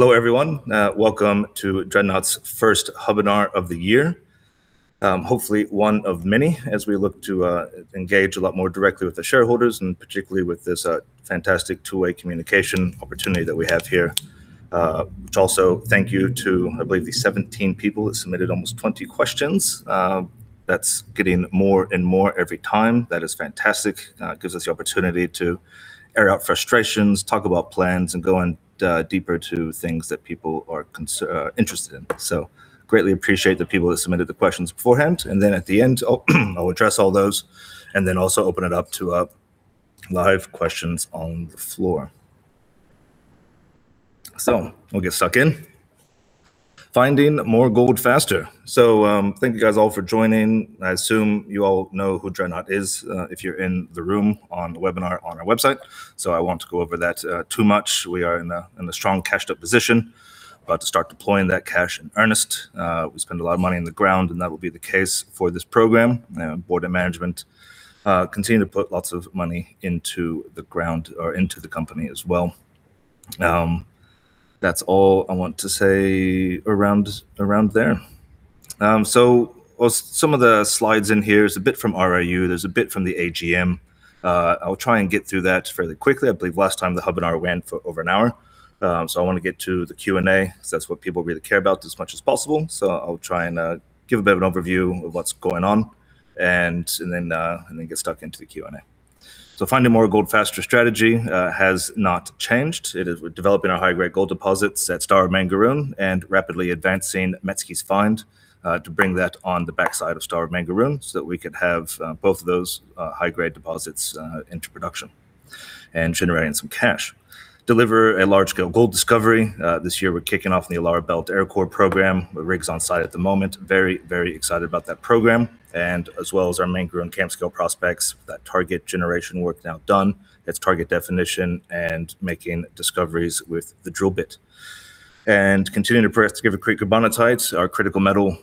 Hello, everyone. Welcome to Dreadnought's first webinar of the year. Hopefully one of many, as we look to engage a lot more directly with the shareholders, particularly with this fantastic two-way communication opportunity that we have here. Also thank you to, I believe, the 17 people that submitted almost 20 questions. That's getting more and more every time. That is fantastic. It gives us the opportunity to air out frustrations, talk about plans, and go on deeper to things that people are interested in. Greatly appreciate the people that submitted the questions beforehand, and then at the end, I'll address all those, and then also open it up to live questions on the floor. We'll get stuck in. Finding more gold faster. Thank you guys all for joining. I assume you all know who Dreadnought is, if you're in the room, on the webinar, on our website. I won't go over that too much. We are in a strong cashed-up position, about to start deploying that cash in earnest. We spend a lot of money in the ground, and that will be the case for this program. Board and Management continue to put lots of money into the ground or into the company as well. That's all I want to say around there. Some of the slides in here is a bit from RIU, there's a bit from the AGM. I'll try and get through that fairly quickly. I believe last time the webinar ran for over an hour. I wanna get to the Q&A, 'cause that's what people really care about as much as possible. I'll try and give a bit of an overview of what's going on, and then get stuck into the Q&A. Finding more gold faster strategy has not changed. It is developing our high-grade gold deposits at Star of Mangaroon, and rapidly advancing Metzke's Find to bring that on the backside of Star of Mangaroon, so that we can have both of those high-grade deposits into production and generating some cash. Deliver a large-scale gold discovery. This year, we're kicking off in the Illaara Belt Aircore Program, with rigs on site at the moment. Very excited about that program, and as well as our Mangaroon camp-scale prospects, that target generation work now done. It's target definition and making discoveries with the drill bit. Continuing to progress to Gifford Creek Carbonatite Complex, our critical metal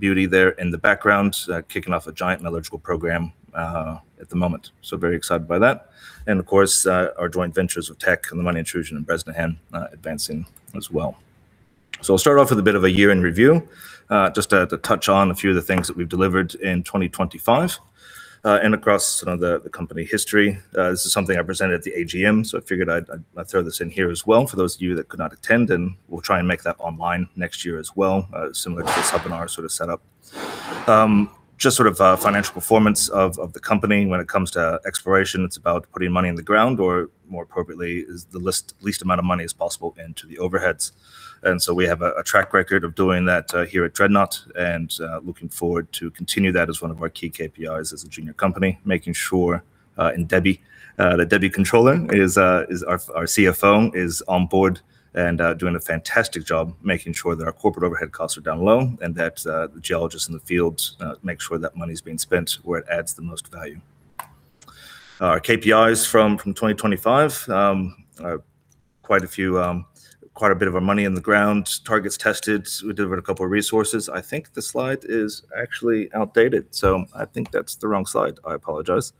beauty there in the background, kicking off a giant metallurgical program at the moment. Very excited by that. Of course, our joint ventures with Teck and the Money Intrusion in Bresnahan advancing as well. I'll start off with a bit of a year in review. Just to touch on a few of the things that we've delivered in 2025 and across the company history. This is something I presented at the AGM, I figured I'd throw this in here as well for those of you that could not attend, we'll try and make that online next year as well, similar to this webinar sort of setup. Just sort of financial performance of the company. When it comes to exploration, it's about putting money in the ground, or more appropriately, is the least amount of money as possible into the overheads. We have a track record of doing that here at Dreadnought, and looking forward to continue that as one of our key KPIs as a junior company. Making sure, and Debbie, the Debbie Fullarton is our CFO, is on board and doing a fantastic job making sure that our corporate overhead costs are down low, and that the geologists in the field make sure that money's being spent where it adds the most value. Our KPIs from 2025, quite a few, quite a bit of our money in the ground, targets tested. We delivered a couple of resources. I think the slide is actually outdated, so I think that's the wrong slide. I apologize.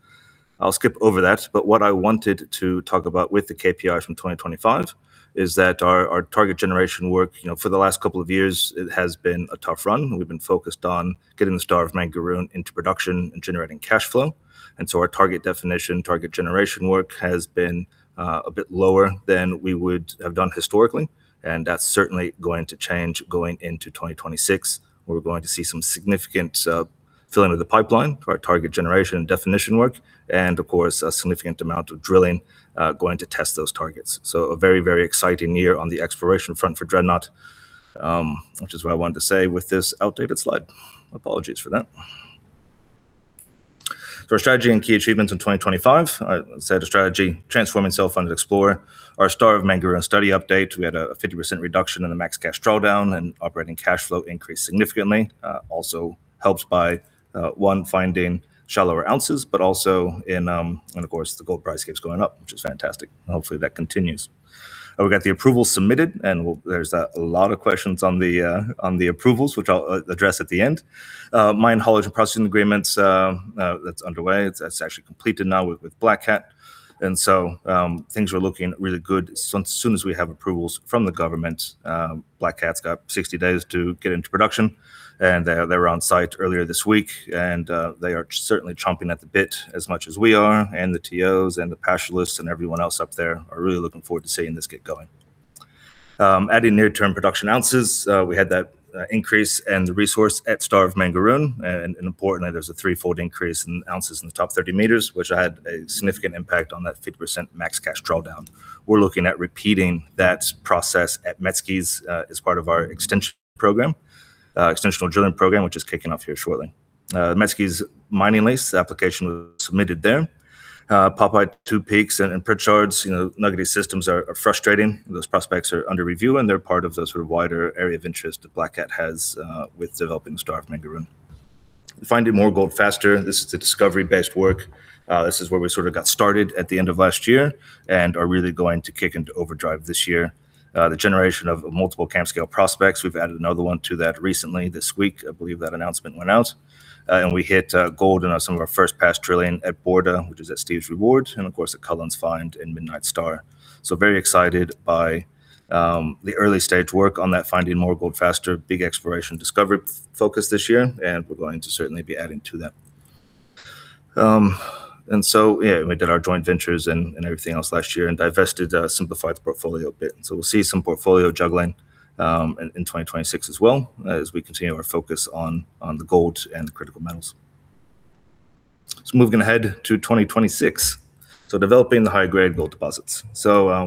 I'll skip over that. What I wanted to talk about with the KPI from 2025, is that our target generation work, you know, for the last couple of years, it has been a tough run. We've been focused on getting the Star of Mangaroon into production and generating cash flow. Our target definition, target generation work, has been a bit lower than we would have done historically, and that's certainly going to change going into 2026, where we're going to see some significant filling of the pipeline for our target generation and definition work, and of course, a significant amount of drilling going to test those targets. A very, very exciting year on the exploration front for Dreadnought, which is what I wanted to say with this outdated slide. Apologies for that. Our strategy and key achievements in 2025, set a strategy, transforming self-funded explorer. Our Star of Mangaroon study update, we had a 50% reduction in the max cash drawdown and operating cash flow increased significantly. Also helped by, one, finding shallower ounces, but also in, the gold price keeps going up, which is fantastic. Hopefully, that continues. We got the approval submitted. There's a lot of questions on the approvals, which I'll address at the end. Mine, haulage, and processing agreements, that's underway. That's actually completed now with Black Cat. Things are looking really good. As soon as we have approvals from the government, Black Cat's got 60 days to get into production, and they were on site earlier this week, and they are certainly chomping at the bit as much as we are, and the TOs, and the pastoralists, and everyone else up there are really looking forward to seeing this get going. Adding near-term production ounces, we had that increase and the resource at Star of Mangaroon. Importantly, there's a threefold increase in ounces in the top 30 m, which had a significant impact on that 50% max cash drawdown. We're looking at repeating that process at Metzke's, as part of our extension program, extension drilling program, which is kicking off here shortly. Metzke's mining lease, the application was submitted there. Popeye, Two Peaks, and Pritchard's, you know, nuggety systems are frustrating. Those prospects are under review, they're part of the sort of wider area of interest that Black Cat has with developing Star of Mangaroon. Finding more gold faster. This is the discovery-based work. This is where we sort of got started at the end of last year and are really going to kick into overdrive this year. The generation of multiple camp-scale prospects, we've added another one to that recently. This week, I believe that announcement went out. We hit gold in some of our first pass drilling at Borda, which is at Steves Reward, and of course, at Cullen's Find and Midnight Star. Very excited by the early-stage work on that, finding more gold faster, big exploration discovery focus this year, and we're going to certainly be adding to that. Yeah, we did our joint ventures and everything else last year and divested, simplified the portfolio a bit. We'll see some portfolio juggling in 2026 as well, as we continue our focus on the gold and the critical metals. Moving ahead to 2026. Developing the high-grade gold deposits.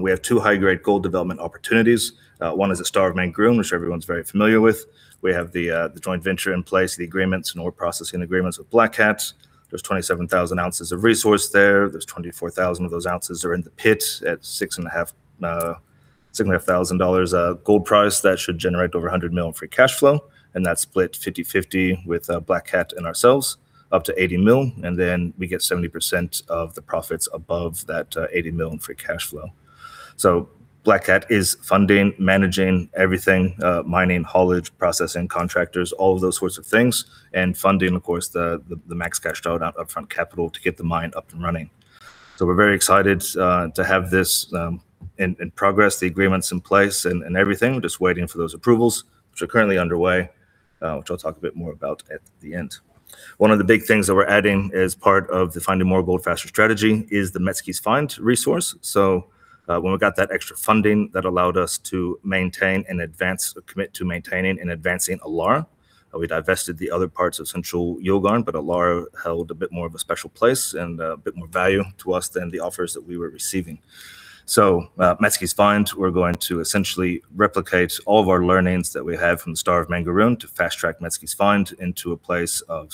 We have 2 high-grade gold development opportunities. One is the Star of Mangaroon, which everyone's very familiar with. We have the joint venture in place, the agreements and ore processing agreements with Black Cat. There's 27,000 oz of resource there. There's 24,000 of those oz are in the pit at 6,500 dollars gold price. That should generate over 100 million in free cash flow, that's split 50/50 with Black Cat and ourselves, up to 80 million, then we get 70% of the profits above that 80 million in free cash flow. Black Cat is funding, managing everything, mining, haulage, processing, contractors, all of those sorts of things, and funding, of course, the max cash out, upfront capital to get the mine up and running. We're very excited to have this in progress, the agreements in place and everything. We're just waiting for those approvals, which are currently underway, which I'll talk a bit more about at the end. One of the big things that we're adding as part of the Finding More Gold, Faster strategy is the Metzke's Find resource. When we got that extra funding, that allowed us to maintain and advance or commit to maintaining and advancing Illaara. We divested the other parts of Central Yilgarn, but Illaara held a bit more of a special place and a bit more value to us than the offers that we were receiving. Metzke's Find, we're going to essentially replicate all of our learnings that we have from Star of Mangaroon to fast-track Metzke's Find into a place of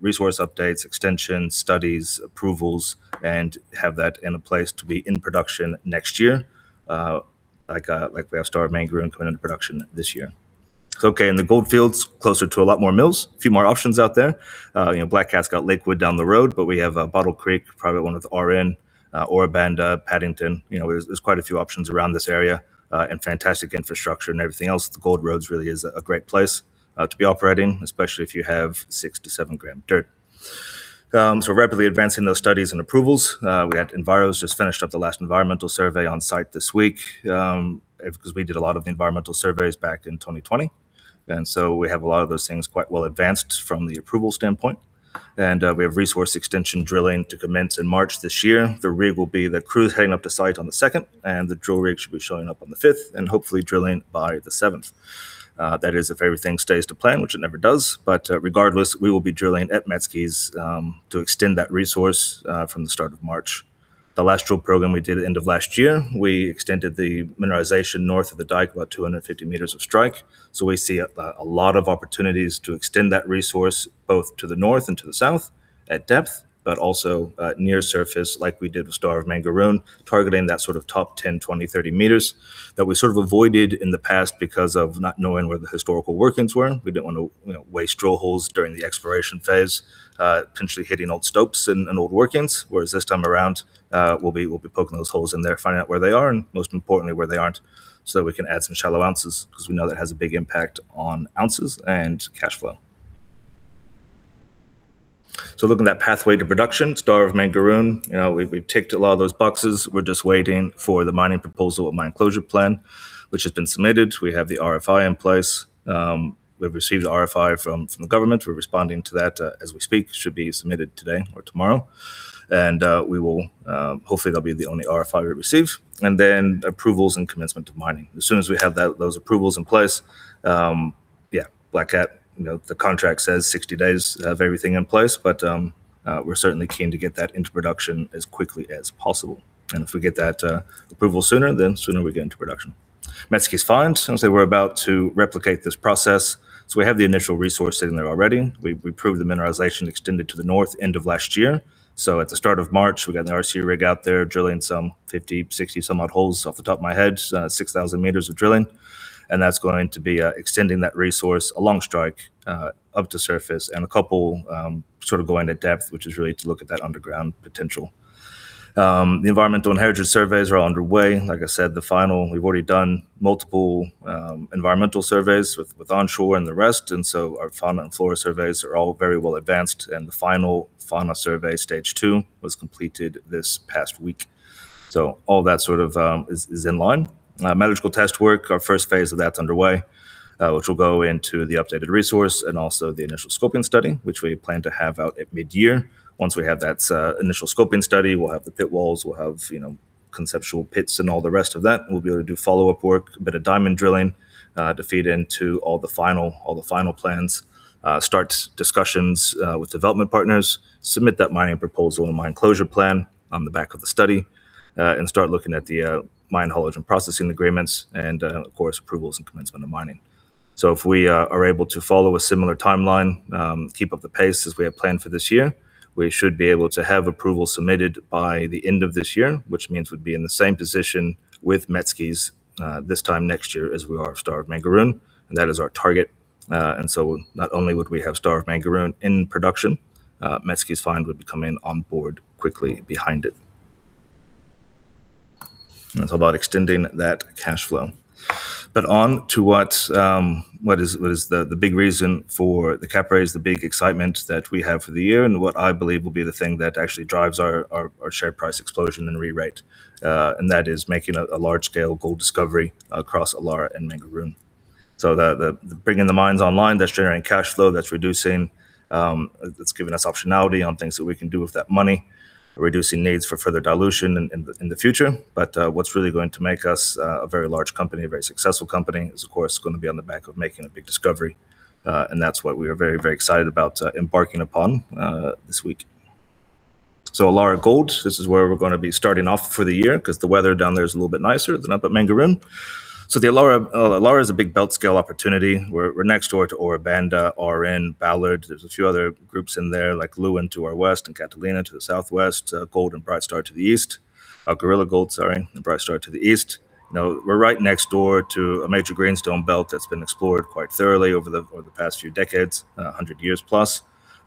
resource updates, extensions, studies, approvals, and have that in a place to be in production next year, like we have Star of Mangaroon coming into production this year. Okay, in the gold fields, closer to a lot more mills, a few more options out there. You know, Black Cat's got Lakewood down the road, but we have Bottle Creek, private one with RN, Ora Banda, Paddington. You know, there's quite a few options around this area and fantastic infrastructure and everything else. Gold Road Resources really is a great place to be operating, especially if you have 6-7 g dirt. We're rapidly advancing those studies and approvals. We had Enviros just finished up the last environmental survey on site this week because we did a lot of environmental surveys back in 2020, and so we have a lot of those things quite well advanced from the approval standpoint. We have resource extension drilling to commence in March this year. The rig will be the crew heading up to site on the second, and the drill rig should be showing up on the fifth and hopefully drilling by the seventh. That is, if everything stays to plan, which it never does, but regardless, we will be drilling at Metzke's to extend that resource from the start of March. The last drill program we did at the end of last year, we extended the mineralization north of the dike, about 250 m of strike. We see a lot of opportunities to extend that resource, both to the north and to the south at depth, but also near surface, like we did with Star of Mangaroon, targeting that sort of top 10 m, 20 m, 30 m that we sort of avoided in the past because of not knowing where the historical workings were. We didn't want to, you know, waste drill holes during the exploration phase, potentially hitting old stopes and old workings. Whereas this time around, we'll be poking those holes in there, finding out where they are, and most importantly, where they aren't, so we can add some shallow ounces because we know that has a big impact on ounces and cash flow. Looking at that pathway to production, Star of Mangaroon, you know, we've ticked a lot of those boxes. We're just waiting for the mining proposal and mine closure plan, which has been submitted. We have the RFI in place. We've received the RFI from the government. We're responding to that as we speak, should be submitted today or tomorrow, and we will. Hopefully, that'll be the only RFI we receive, and then approvals and commencement of mining. As soon as we have that, those approvals in place, yeah, Black Cat, you know, the contract says 60 days of everything in place, but, we're certainly keen to get that into production as quickly as possible. If we get that approval sooner, then the sooner we get into production. Metzke's Find, as I say, we're about to replicate this process. We have the initial resource sitting there already. We proved the mineralization extended to the north end of last year. At the start of March, we got an RC rig out there, drilling some 50, 60 somewhat holes off the top of my head, 6,000 m of drilling, and that's going to be extending that resource along strike up to surface and a couple sort of going to depth, which is really to look at that underground potential. The environmental and heritage surveys are underway. Like I said, we've already done multiple environmental surveys with onshore and the rest, our fauna and flora surveys are all very well advanced, and the final fauna survey, Stage 2, was completed this past week. All that sort of is in line. Metallurgical test work, our first phase of that's underway, which will go into the updated resource and also the initial scoping study, which we plan to have out at mid-year. Once we have that, initial scoping study, we'll have the pit walls, we'll have, you know, conceptual pits and all the rest of that. We'll be able to do follow-up work, a bit of diamond drilling, to feed into all the final plans, start discussions with development partners, submit that mining proposal and mine closure plan on the back of the study, and start looking at the mine haulage and processing agreements, of course, approvals and commencement of mining. If we are able to follow a similar timeline, keep up the pace as we have planned for this year, we should be able to have approval submitted by the end of this year, which means we'd be in the same position with Metzke's, this time next year as we are with Star of Mangaroon, and that is our target. Not only would we have Star of Mangaroon in production, Metzke's Find would be coming on board quickly behind it. It's about extending that cash flow. On to what is the big reason for the cap raise, the big excitement that we have for the year, and what I believe will be the thing that actually drives our share price explosion and re-rate, and that is making a large-scale gold discovery across Illaara and Mangaroon. The bringing the mines online, that's generating cash flow, that's reducing, that's giving us optionality on things that we can do with that money, reducing needs for further dilution in the future. What's really going to make us a very large company, a very successful company, is of course, gonna be on the back of making a big discovery. That's what we are very excited about embarking upon this week. Illaara Gold, this is where we're gonna be starting off for the year, 'cause the weather down there is a little bit nicer than up at Mangaroon. The Illaara is a big belt-scale opportunity. We're next door to Ora Banda, RN, Ballard, there's a few other groups in there, like Lefroy to our west, and Catalina to the southwest, Gold and Brightstar to the east. Gorilla Gold, sorry, and Brightstar to the east. We're right next door to a major greenstone belt that's been explored quite thoroughly over the past few decades, 100 years+.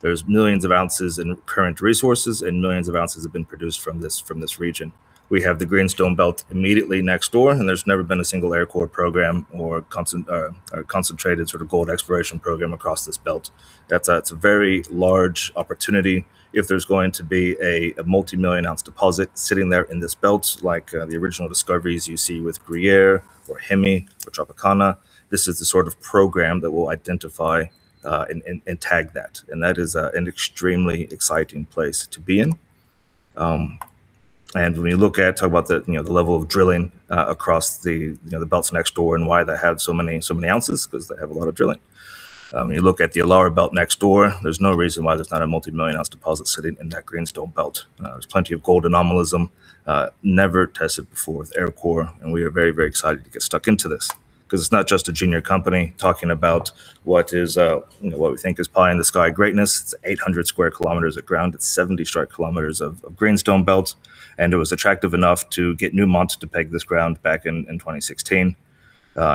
There's millions of ounces in current resources, and millions of ounces have been produced from this region. We have the greenstone belt immediately next door. There's never been a single Aircore program or a concentrated sort of gold exploration program across this belt. That's a very large opportunity. If there's going to be a multi-million-ounce deposit sitting there in this belt, like the original discoveries you see with Gruyere or Hemi or Tropicana, this is the sort of program that will identify and tag that, and that is an extremely exciting place to be in. When you look at, talk about the, you know, the level of drilling across the, you know, the belts next door and why they had so many ounces, 'cause they have a lot of drilling. You look at the Illaara Belt next door, there's no reason why there's not a multi-million-ounce deposit sitting in that greenstone belt. There's plenty of gold anomalism, never tested before with Aircore. We are very, very excited to get stuck into this. 'Cause it's not just a junior company talking about what is, you know, what we think is pie-in-the-sky greatness. It's 800 sq km of ground, it's 70 strike km of greenstone belt. It was attractive enough to get Newmont to peg this ground back in 2016.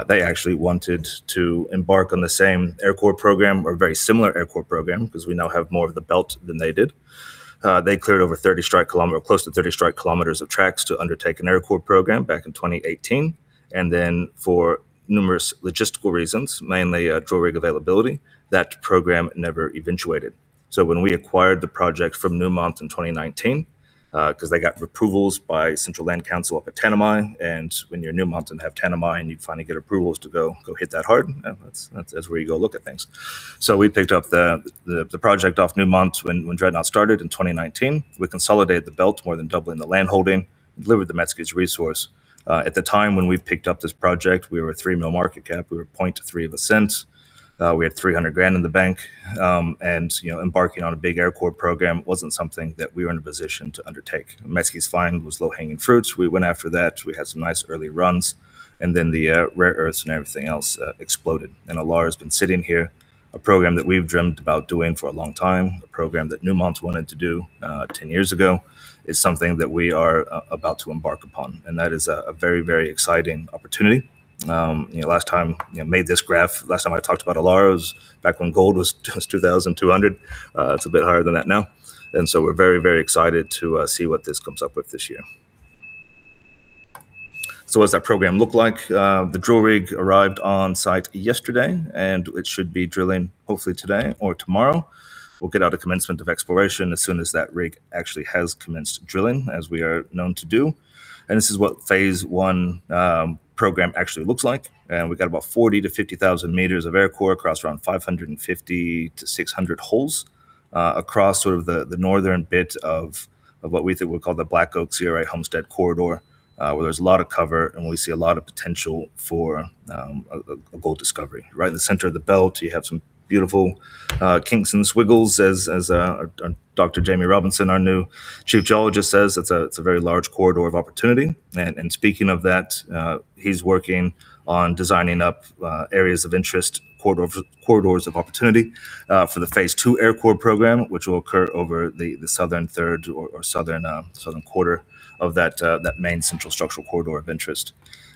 They actually wanted to embark on the same Aircore program, or a very similar Aircore program, 'cause we now have more of the belt than they did. They cleared over 30 strike km, close to 30 strike km of tracks to undertake an Aircore program back in 2018, then for numerous logistical reasons, mainly drill rig availability, that program never eventuated. When we acquired the project from Newmont in 2019, because they got approvals by Central Land Council up at Tanami, and when you're Newmont and have Tanami, and you finally get approvals to go hit that hard, that's where you go look at things. We picked up the project off Newmont when Dreadnought started in 2019. We consolidated the belt, more than doubling the land holding, delivered the Metzke's resource. At the time when we picked up this project, we were an 3 million market cap, we were 0.23 of a cent. We had 300,000 in the bank, you know, embarking on a big Aircore program wasn't something that we were in a position to undertake. Metzke's Find was low-hanging fruits. We went after that, we had some nice early runs, then the rare earths and everything else exploded. Illaara's been sitting here, a program that we've dreamt about doing for a long time, a program that Newmont wanted to do 10 years ago, is something that we are about to embark upon, that is a very, very exciting opportunity. You know, last time, you know, made this graph, last time I talked about Illaara was back when gold was just 2,200. It's a bit higher than that now, we're very, very excited to see what this comes up with this year. What's that program look like? The drill rig arrived on site yesterday, it should be drilling hopefully today or tomorrow. We'll get out a commencement of exploration as soon as that rig actually has commenced drilling, as we are known to do. This is what phase one program actually looks like. We've got about 40,000 m-50,000 m of Aircore across around 550 holes-600 holes across sort of the northern bit of what we think we'll call the Black Oak CRA Homestead Corridor, where there's a lot of cover, and we see a lot of potential for a gold discovery. Right in the center of the belt, you have some beautiful kinks and squiggles, as Dr. Jamie Robinson, our new Chief Geologist, says. It's a very large corridor of opportunity. Speaking of that, he's working on designing up areas of interest, corridors of opportunity, for the Phase 2 Aircore program, which will occur over the southern third or southern quarter of that main central structural corridor of interest.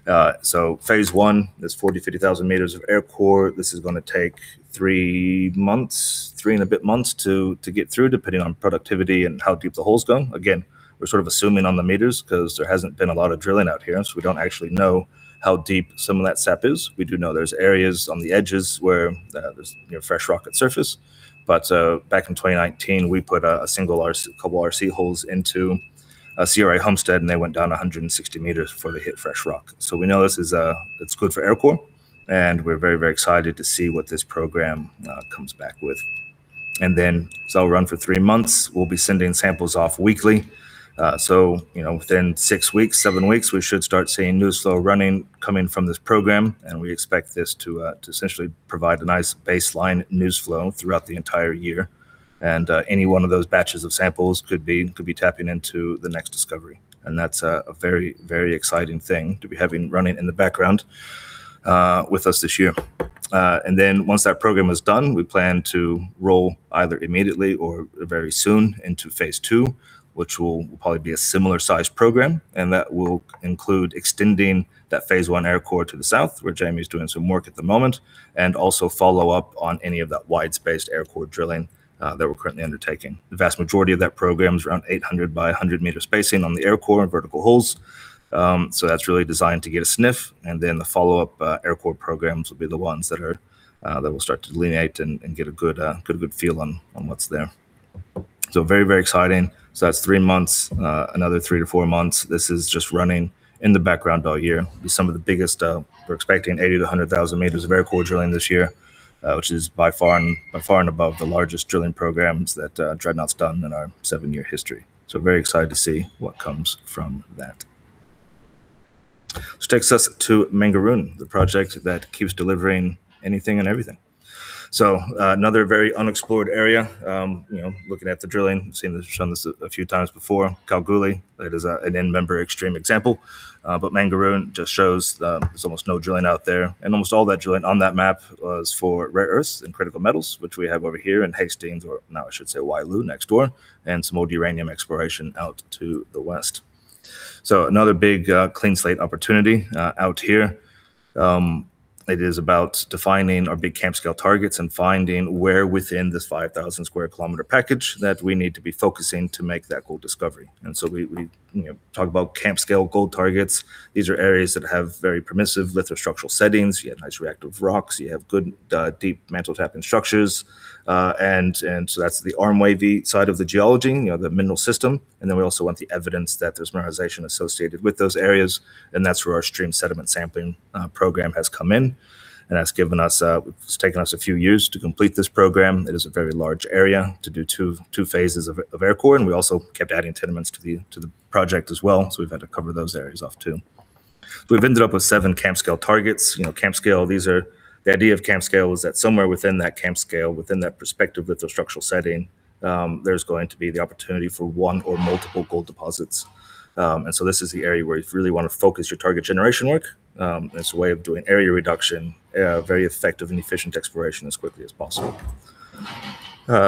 Phase one is 40,000 m-50,000 m of Aircore. This is going to take 3 months, 3 and a bit months to get through, depending on productivity and how deep the holes go. Again, we're sort of assuming on the meters, 'cause there hasn't been a lot of drilling out here, so we don't actually know how deep some of that sap is. We do know there's areas on the edges where, there's, you know, fresh rock at surface. Back in 2019, we put a single RC, couple RC holes into CRA Homestead, and they went down 160 m before they hit fresh rock. We know this is, it's good for Aircore, and we're very, very excited to see what this program comes back with. I'll run for 3 months. We'll be sending samples off weekly, so you know, within six weeks, seven weeks, we should start seeing news flow running, coming from this program, and we expect this to essentially provide a nice baseline news flow throughout the entire year. Any one of those batches of samples could be tapping into the next discovery. That's a very, very exciting thing to be having running in the background with us this year. Once that program is done, we plan to roll either immediately or very soon into Phase 2, which will probably be a similar size program, and that will include extending that Phase 1 Aircore to the south, where Jamie's doing some work at the moment, and also follow up on any of that wide-spaced Aircore drilling that we're currently undertaking. The vast majority of that program is around 800 m by 100 m spacing on the Aircore and vertical holes. That's really designed to get a sniff, and then the follow-up Aircore programs will be the ones that will start to delineate and get a good feel on what's there. Very exciting. That's 3 months, another 3 months-4 months. This is just running in the background all year. With some of the biggest. We're expecting 80,000 m-100,000 m of Aircore drilling this year, which is by far and above the largest drilling programs that Dreadnought's done in our seven-year history. Very excited to see what comes from that. Which takes us to Mangaroon, the project that keeps delivering anything and everything. Another very unexplored area. You know, looking at the drilling, we've seen this, shown this a few times before. Kalgoorlie, it is an end-member extreme example, but Mangaroon just shows that there's almost no drilling out there, and almost all that drilling on that map was for rare earths and critical metals, which we have over here in Hastings, or now I should say Wyloo, next door, and some more uranium exploration out to the west. Another big clean slate opportunity out here. It is about defining our big camp-scale targets and finding where within this 5,000 sq km package that we need to be focusing to make that gold discovery. We, you know, talk about camp-scale gold targets. These are areas that have very permissive lithostructural settings. You have nice reactive rocks, you have good, deep mantle tapping structures. That's the arm wavy side of the geology, you know, the mineral system. We also want the evidence that there's mineralization associated with those areas, and that's where our stream sediment sampling program has come in, and that's given us. It's taken us a few years to complete this program. It is a very large area to do 2 Phases of Aircore, and we also kept adding tenements to the project as well, so we've had to cover those areas off, too. We've ended up with 7 camp-scale targets. You know, camp-scale. The idea of camp-scale is that somewhere within that camp scale, within that perspective lithostructural setting, there's going to be the opportunity for 1 or multiple gold deposits. This is the area where you really want to focus your target generation work as a way of doing area reduction, very effective and efficient exploration as quickly as possible.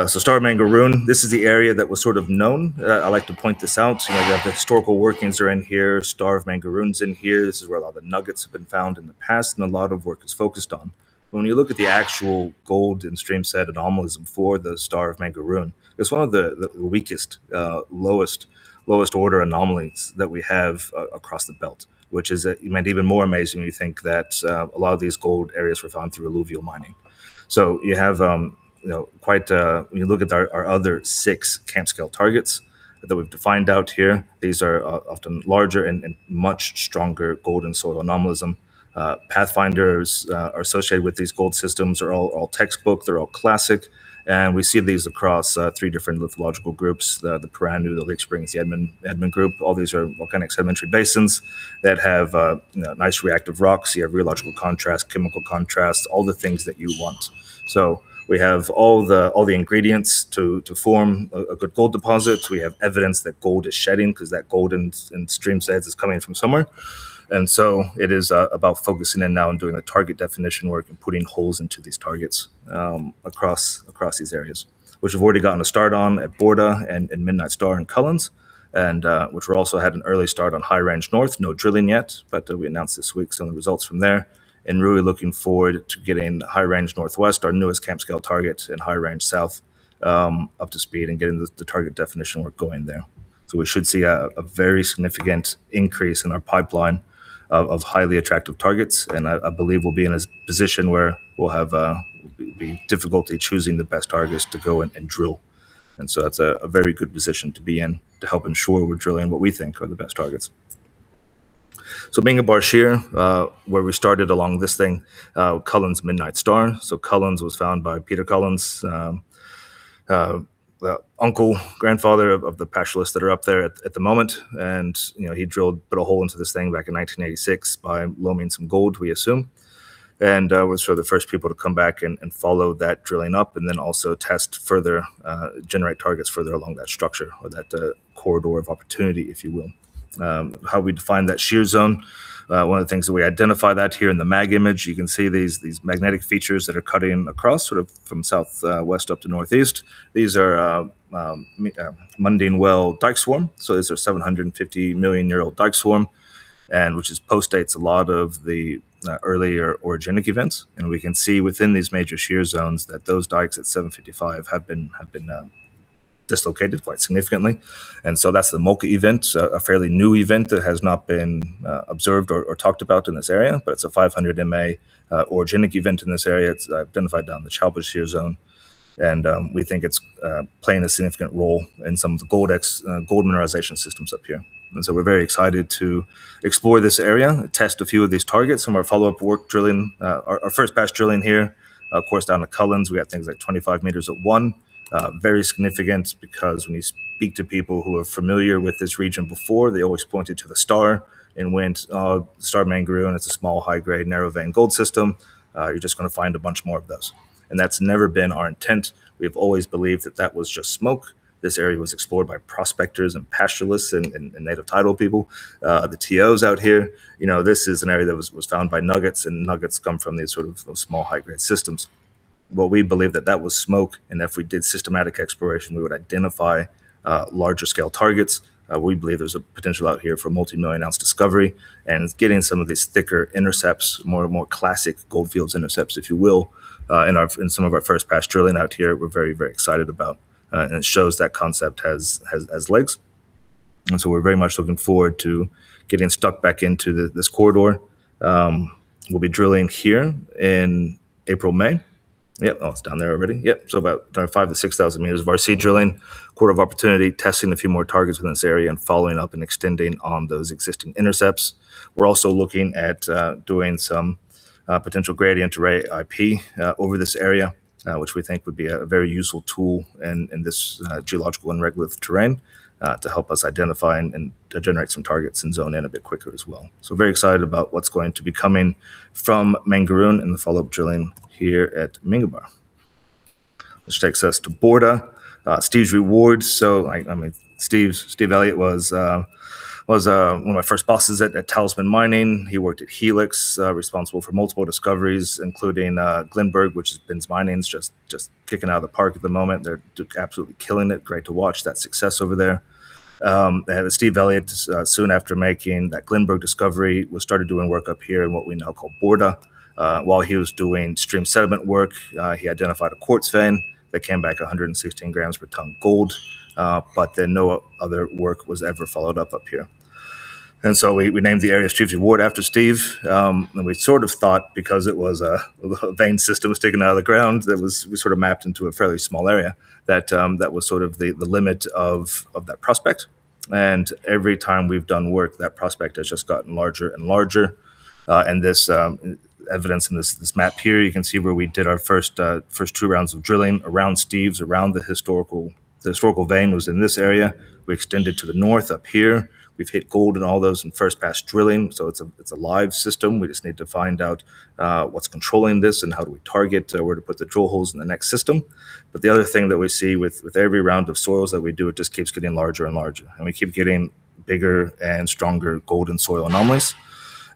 Star of Mangaroon, this is the area that was sort of known. I like to point this out. You know, we have the historical workings are in here, Star of Mangaroon's in here. This is where a lot of the nuggets have been found in the past, and a lot of work is focused on. You look at the actual gold and stream set anomalies for the Star of Mangaroon, it's one of the weakest, lowest order anomalies that we have across the belt, which is made even more amazing when you think that a lot of these gold areas were found through alluvial mining. You look at our other 6 camp-scale targets that we've defined out here, these are often larger and much stronger gold and soil anomalism. Pathfinders associated with these gold systems are all textbook, they're all classic, and we see these across three different lithological groups, the Pooranoo, the Lake Springs, the Edmund Group. All these are volcanic sedimentary basins that have, you know, nice reactive rocks. You have geological contrast, chemical contrast, all the things that you want. We have all the ingredients to form a good gold deposit. We have evidence that gold is shedding, 'cause that gold in stream sands is coming from somewhere. It is about focusing in now and doing the target definition work and putting holes into these targets across these areas, which we've already gotten a start on at Ora Banda and Midnight Star and Cullens. Which we're also had an early start on High Range North. No drilling yet, but we announced this week some of the results from there. Really looking forward to getting High Range Northwest, our newest camp-scale target, and High Range South up to speed and getting the target definition work going there. We should see a very significant increase in our pipeline of highly attractive targets. I believe we'll be in a position where we'll have be difficulty choosing the best targets to go in and drill. That's a very good position to be in to help ensure we're drilling what we think are the best targets. Minga Bar shear, where we started along this thing, Cullens, Midnight Star. Cullens was found by Peter Cullens, the uncle, grandfather of the pastoralists that are up there at the moment. You know, he drilled, put a hole into this thing back in 1986 by low mining some gold, we assume. Then was for the first people to come back and follow that drilling up, and then also test further, generate targets further along that structure or that corridor of opportunity, if you will. How we define that shear zone, one of the things that we identify that here in the mag image, you can see these magnetic features that are cutting across, sort of from south west up to northeast. These are Mundine Well dyke swarm. These are 750 million-year-old dyke swarm, and which is postdates a lot of the earlier orogenic events. We can see within these major shear zones that those dykes at 755 have been dislocated quite significantly. That's the Muggamurra event, a fairly new event that has not been observed or talked about in this area, but it's a 500 Ma orogenic event in this area. It's identified down the Chalba Shear Zone, we think it's playing a significant role in some of the gold mineralization systems up here. We're very excited to explore this area, test a few of these targets. Some of our follow-up work drilling, our first batch drilling here, of course, down to Cullens, we had things like 25 m at 1. Very significant because when you speak to people who are familiar with this region before, they always pointed to the star and went, "Star of Mangaroon, it's a small, high-grade, narrow vein gold system. You're just gonna find a bunch more of those." That's never been our intent. We've always believed that that was just smoke. This area was explored by prospectors and pastoralists and Native Title people, the TOs out here. You know, this is an area that was found by nuggets, and nuggets come from these sort of small, high-grade systems. We believe that that was smoke, and if we did systematic exploration, we would identify larger scale targets. We believe there's a potential out here for multi-million ounce discovery, and it's getting some of these thicker intercepts, more and more classic goldfields intercepts, if you will. In our, in some of our first pass drilling out here, we're very, very excited about, and it shows that concept has legs. We're very much looking forward to getting stuck back into this corridor. We'll be drilling here in April, May. Yep. Oh, it's down there already. Yep. About 5,000 m-6,000 m of RC drilling, quarter of opportunity, testing a few more targets within this area and following up and extending on those existing intercepts. We're also looking at doing some potential gradient array IP over this area, which we think would be a very useful tool in this geological and regolith terrain to help us identify and generate some targets and zone in a bit quicker as well. Very excited about what's going to be coming from Mangaroon and the follow-up drilling here at Minga Bar. Takes us to Ora Banda, Steve's Reward. Steve Elliott was one of my first bosses at Talisman Mining. He worked at Helix Resources, responsible for multiple discoveries, including Glenburgh, which has been mining's just kicking out of the park at the moment. They're absolutely killing it. Great to watch that success over there. They had a Steve Elliott soon after making that Glenburgh discovery, was started doing work up here in what we now call Ora Banda. While he was doing stream sediment work, he identified a quartz vein that came back 116 grams per ton gold, no other work was ever followed up up here. We named the area Steve's Reward after Steve. We sort of thought because it was a vein system was taken out of the ground. We sort of mapped into a fairly small area, that was sort of the limit of that prospect. Every time we've done work, that prospect has just gotten larger and larger. This evidence in this map here, you can see where we did our first 2 rounds of drilling around Steve's, around the historical vein was in this area. We extended to the north up here. We've hit gold and all those in first pass drilling, so it's a live system. We just need to find out what's controlling this and how do we target where to put the drill holes in the next system. The other thing that we see with every round of soils that we do, it just keeps getting larger and larger, and we keep getting bigger and stronger gold and soil anomalies.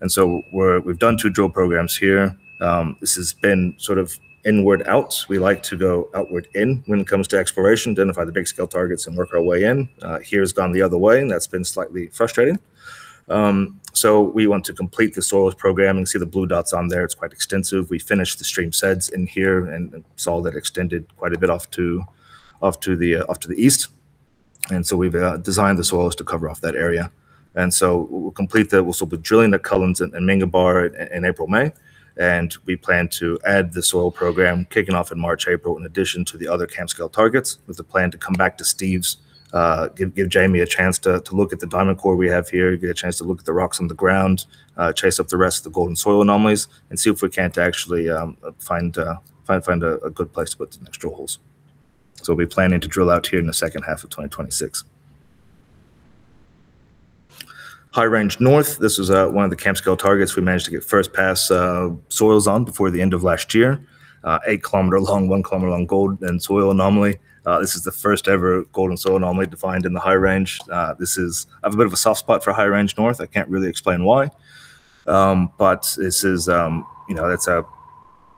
We've done two drill programs here. This has been sort of inward outs. We like to go outward in when it comes to exploration, identify the big scale targets and work our way in. Here it's gone the other way, and that's been slightly frustrating. We want to complete the soils program and see the blue dots on there. It's quite extensive. We finished the stream sets in here and saw that extended quite a bit off to the east. We've designed the soils to cover off that area. We'll complete that. We'll start with drilling the Cullens and Minga Bar in April, May. We plan to add the soil program, kicking off in March, April, in addition to the other camp scale targets, with a plan to come back to Steve's, give Jamie a chance to look at the diamond core we have here, get a chance to look at the rocks on the ground, chase up the rest of the gold and soil anomalies, and see if we can't actually find a good place to put the next drill holes. We'll be planning to drill out here in the second half of 2026. High Range North, this is one of the camp scale targets we managed to get first pass soils on before the end of last year. 8 km long, 1 km long gold and soil anomaly. This is the first ever gold and soil anomaly defined in the High Range. I have a bit of a soft spot for High Range North. I can't really explain why. This is, you know,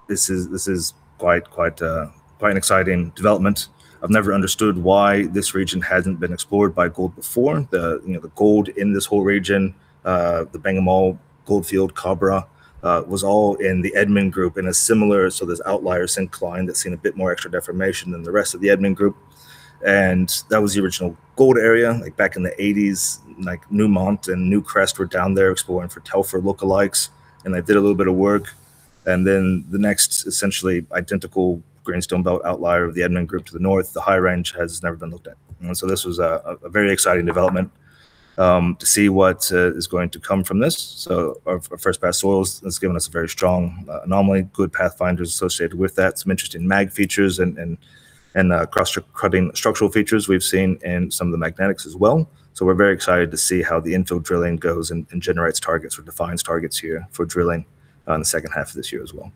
this is quite an exciting development. I've never understood why this region hasn't been explored by gold before. You know, the gold in this whole region, the was all in the Edmund Group. There's outliers in Klein that's seen a bit more extra deformation than the rest of the Edmund Group. That was the original gold area, back in the 80s, Newmont and Newcrest were down there exploring for Telfer lookalikes, and they did a little bit of work. The next essentially identical greenstone belt outlier of the Edmund Group to the north, the High Range, has never been looked at. This was a very exciting development to see what is going to come from this. Our first pass soils has given us a very strong anomaly, good pathfinders associated with that, some interesting mag features and cross-cutting structural features we've seen in some of the magnetics as well. We're very excited to see how the infill drilling goes and generates targets or defines targets here for drilling in the second half of this year as well.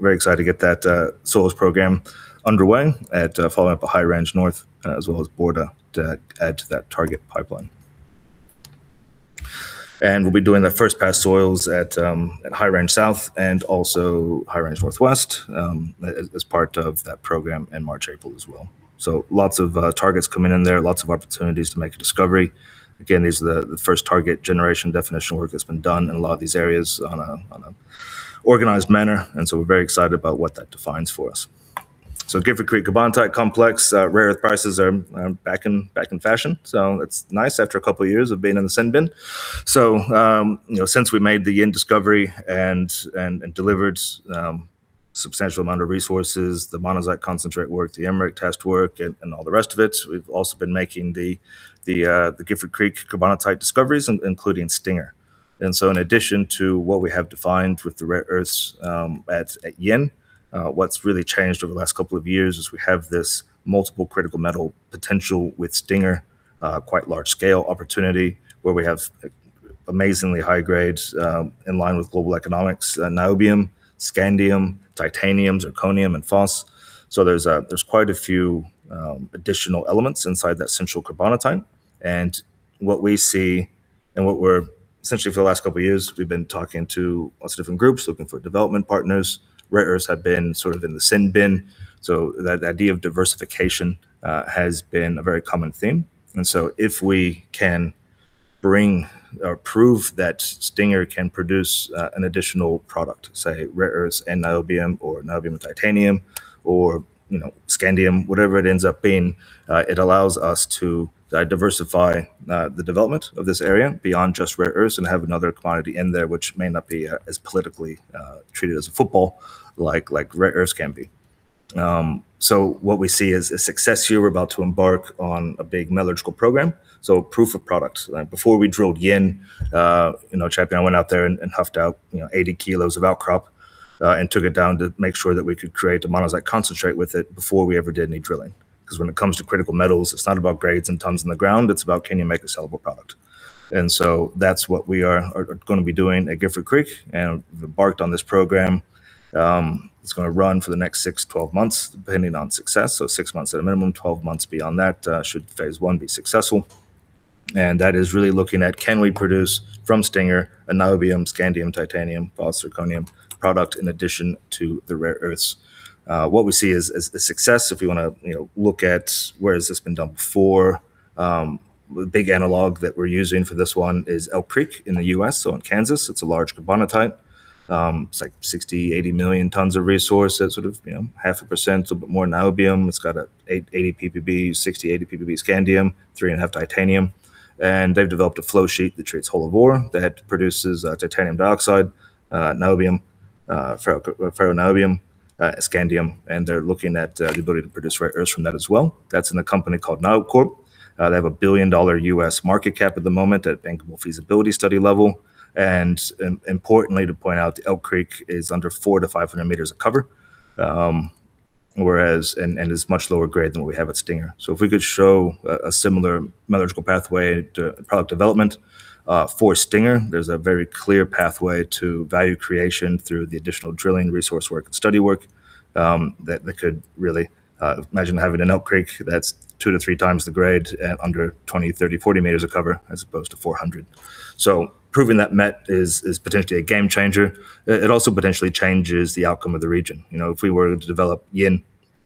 Very excited to get that soils program underway and follow up a High Range North as well as Borda to add to that target pipeline. We'll be doing the first pass soils at High Range South and also High Range Northwest as part of that program in March, April as well. Lots of targets coming in there, lots of opportunities to make a discovery. Again, this is the first target generation definition work that's been done in a lot of these areas on an organized manner, we're very excited about what that defines for us. Gifford Creek Carbonatite Complex, rare earth prices are back in fashion, it's nice after a couple of years of being in the sand bin. You know, since we made the Yin discovery and delivered substantial amount of resources, the monazite concentrate work, the emmerich test work, and all the rest of it, we've also been making the Gifford Creek carbonatite discoveries, including Stinger. In addition to what we have defined with the rare earths at Yin, what's really changed over the last two years is we have this multiple critical metal potential with Stinger, quite large scale opportunity, where we have a amazingly high grades in line with global economics, and niobium, scandium, titanium, zirconium, and phosphate. There's quite a few additional elements inside that central carbonatite. What we see. What we're, essentially for the last couple of years, we've been talking to lots of different groups, looking for development partners. Rare earths have been sort of in the sin bin, so the idea of diversification has been a very common theme. If we can bring or prove that Stinger can produce an additional product, say rare earths and niobium or niobium, titanium or, you know, scandium, whatever it ends up being, it allows us to diversify the development of this area beyond just rare earths and have another commodity in there, which may not be as politically treated as a football like rare earths can be. So what we see is a success here. We're about to embark on a big metallurgical program, so proof of product. Like, before we drilled Yin, you know, Chappy and I went out there and huffed out, you know, 80 kg of outcrop and took it down to make sure that we could create a monazite concentrate with it before we ever did any drilling. 'Cause when it comes to critical metals, it's not about grades and tons in the ground, it's about can you make a sellable product? That's what we are gonna be doing at Gifford Creek, and we've embarked on this program. It's gonna run for the next 6 months-12 months, depending on success. 6 months at a minimum, 12 months beyond that, should phase one be successful. That is really looking at, can we produce from Stinger, a niobium, scandium, titanium, or zirconium product in addition to the rare earths? What we see is a success. If we wanna, you know, look at where has this been done before, the big analog that we're using for this one is Elk Creek in the U.S., so in Kansas. It's a large carbonatite. It's like 60 million-80 million tons of resource. That's sort of, you know, half a percent, a bit more niobium. It's got 80 ppb, 60 pbb-80 ppb scandium, three and a half titanium. They've developed a flow sheet that treats whole of ore, that produces titanium dioxide, niobium, ferroniobium, scandium, and they're looking at the ability to produce rare earths from that as well. That's in a company called NioCorp. They have a billion-dollar U.S. market cap at the moment at bankable feasibility study level. Importantly, to point out, Elk Creek is under 400 m-500 m of cover, whereas it is much lower grade than what we have at Stinger. If we could show a similar metallurgical pathway to product development for Stinger, there's a very clear pathway to value creation through the additional drilling, resource work, and study work that could really. Imagine having an Elk Creek that's 2x-3x the grade at under 20 m, 30 m, 40 m of cover, as opposed to 400 m. Proving that met is potentially a game changer. It also potentially changes the outcome of the region. You know, if we were to develop Yin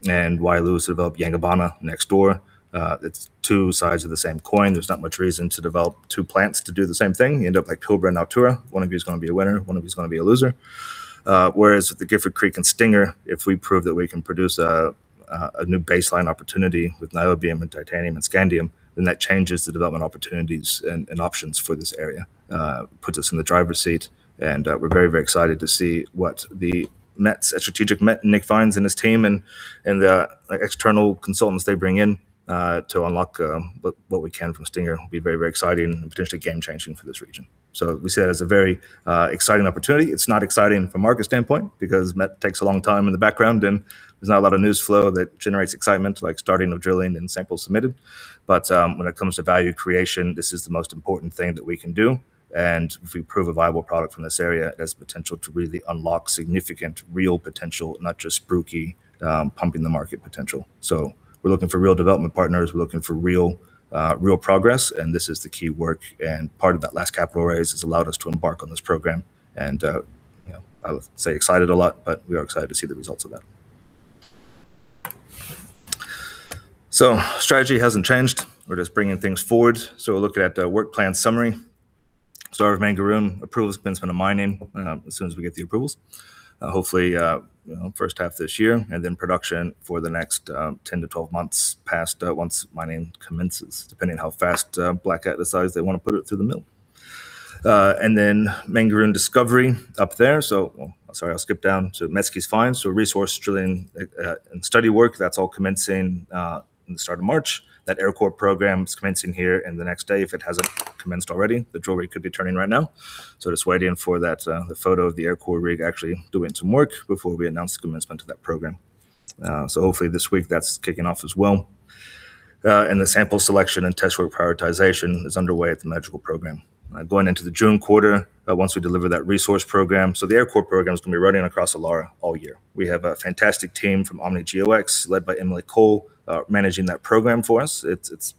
and Wyloo develop Yangibana next door, it's two sides of the same coin. There's not much reason to develop two plants to do the same thing. You end up like Cobra and Altura. One of you is gonna be a winner, one of you is gonna be a loser. Whereas the Gifford Creek and Stinger, if we prove that we can produce a new baseline opportunity with niobium and titanium and scandium, then that changes the development opportunities and options for this area. Puts us in the driver's seat, and we're very excited to see what the mets, strategic met Nick finds in his team and the external consultants they bring in to unlock what we can from Stinger. It will be very exciting and potentially game-changing for this region. We see that as a very exciting opportunity. It's not exciting from a market standpoint because met takes a long time in the background, and there's not a lot of news flow that generates excitement, like starting of drilling and samples submitted. When it comes to value creation, this is the most important thing that we can do. If we prove a viable product from this area, it has potential to really unlock significant, real potential, not just spooky, pumping the market potential. We're looking for real development partners, we're looking for real progress, and this is the key work. Part of that last capital raise has allowed us to embark on this program. You know, I say excited a lot, but we are excited to see the results of that. Strategy hasn't changed. We're just bringing things forward. We're looking at the work plan summary. Start of Mangaroon, approval, commencement of mining, as soon as we get the approvals. Hopefully, you know, first half of this year, and then production for the next 10 months-12 months past, once mining commences, depending on how fast Black Cat decides they wanna put it through the mill. Mangaroon Discovery up there. Well, sorry, I'll skip down to Metzke's Find. Resource drilling and study work, that's all commencing in the start of March. That Aircore program is commencing here, and the next day, if it hasn't commenced already, the drill rig could be turning right now. Just wait in for that, the photo of the Aircore rig actually doing some work before we announce the commencement of that program. Hopefully this week that's kicking off as well. The sample selection and testwork prioritization is underway at the metallurgical program. Going into the June quarter, once we deliver that resource program, the Aircore program is gonna be running across the Illaara all year. We have a fantastic team from OMNI GeoX, led by Emily Cole, managing that program for us. It's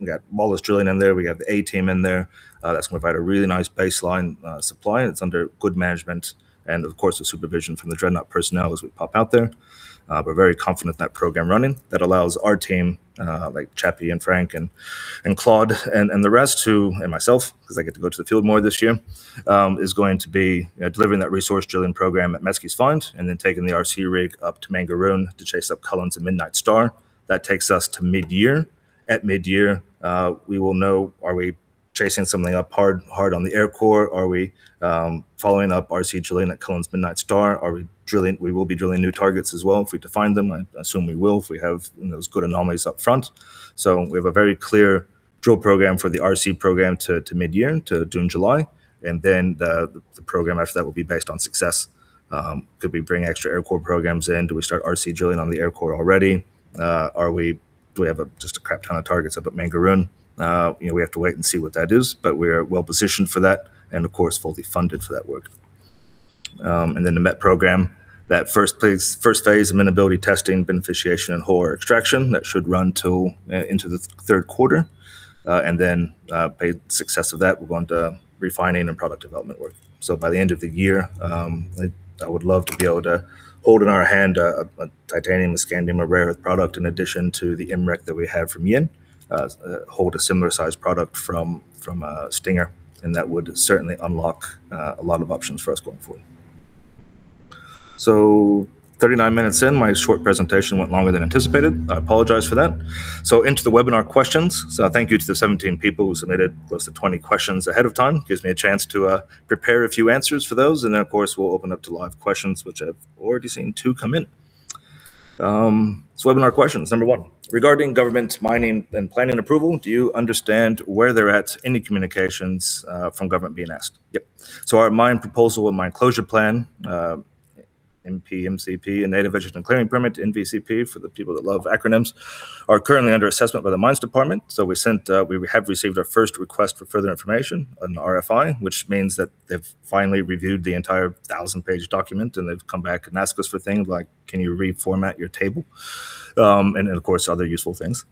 we got mollys drilling in there, we have the A team in there. That's gonna provide a really nice baseline supply, and it's under good management and, of course, the supervision from the Dreadnought personnel as we pop out there. We're very confident in that program running. That allows our team, like Chappy and Frank and Claude and the rest, who... Myself, 'cause I get to go to the field more this year, is going to be delivering that resource drilling program at Metzke's Find, and then taking the RC rig up to Mangaroon to chase up Cullens and Midnight Star. That takes us to midyear. At midyear, we will know, are we chasing something up hard on the Aircore? Are we following up RC drilling at Cullens Midnight Star? We will be drilling new targets as well, if we define them. I assume we will, if we have, you know, those good anomalies up front. We have a very clear drill program for the RC program to midyear, to June, July. The program after that will be based on success. Could we bring extra Aircore programs in? Do we start RC drilling on the Aircore already? Do we have a, just a crap ton of targets up at Mangaroon? You know, we have to wait and see what that is, but we're well-positioned for that, and of course, fully funded for that work. The MET program that first place, first phase, amenability testing, beneficiation, and ore extraction, that should run till into the third quarter. By success of that, we'll go on to refining and product development work. By the end of the year, I would love to be able to hold in our hand a titanium, scandium, or rare earth product in addition to the MREC that we have from Yin. Hold a similar sized product from Stinger, that would certainly unlock a lot of options for us going forward. 39 minutes in, my short presentation went longer than anticipated. I apologize for that. Into the webinar questions. Thank you to the 17 people who submitted close to 20 questions ahead of time. Gives me a chance to prepare a few answers for those, then, of course, we'll open up to live questions, which I've already seen two come in. Webinar questions. Number 1: Regarding government mining and planning approval, do you understand where they're at any communications from government being asked? Yep. Our mine proposal and mine closure plan, MPMCP, and Native Vegetation Clearing Permit, NVCP, for the people that love acronyms, are currently under assessment by the Mines Department. We sent. We have received our first request for further information, an RFI, which means that they've finally reviewed the entire 1,000-page document, and they've come back and asked us for things like, "Can you reformat your table?" Of course, other useful things.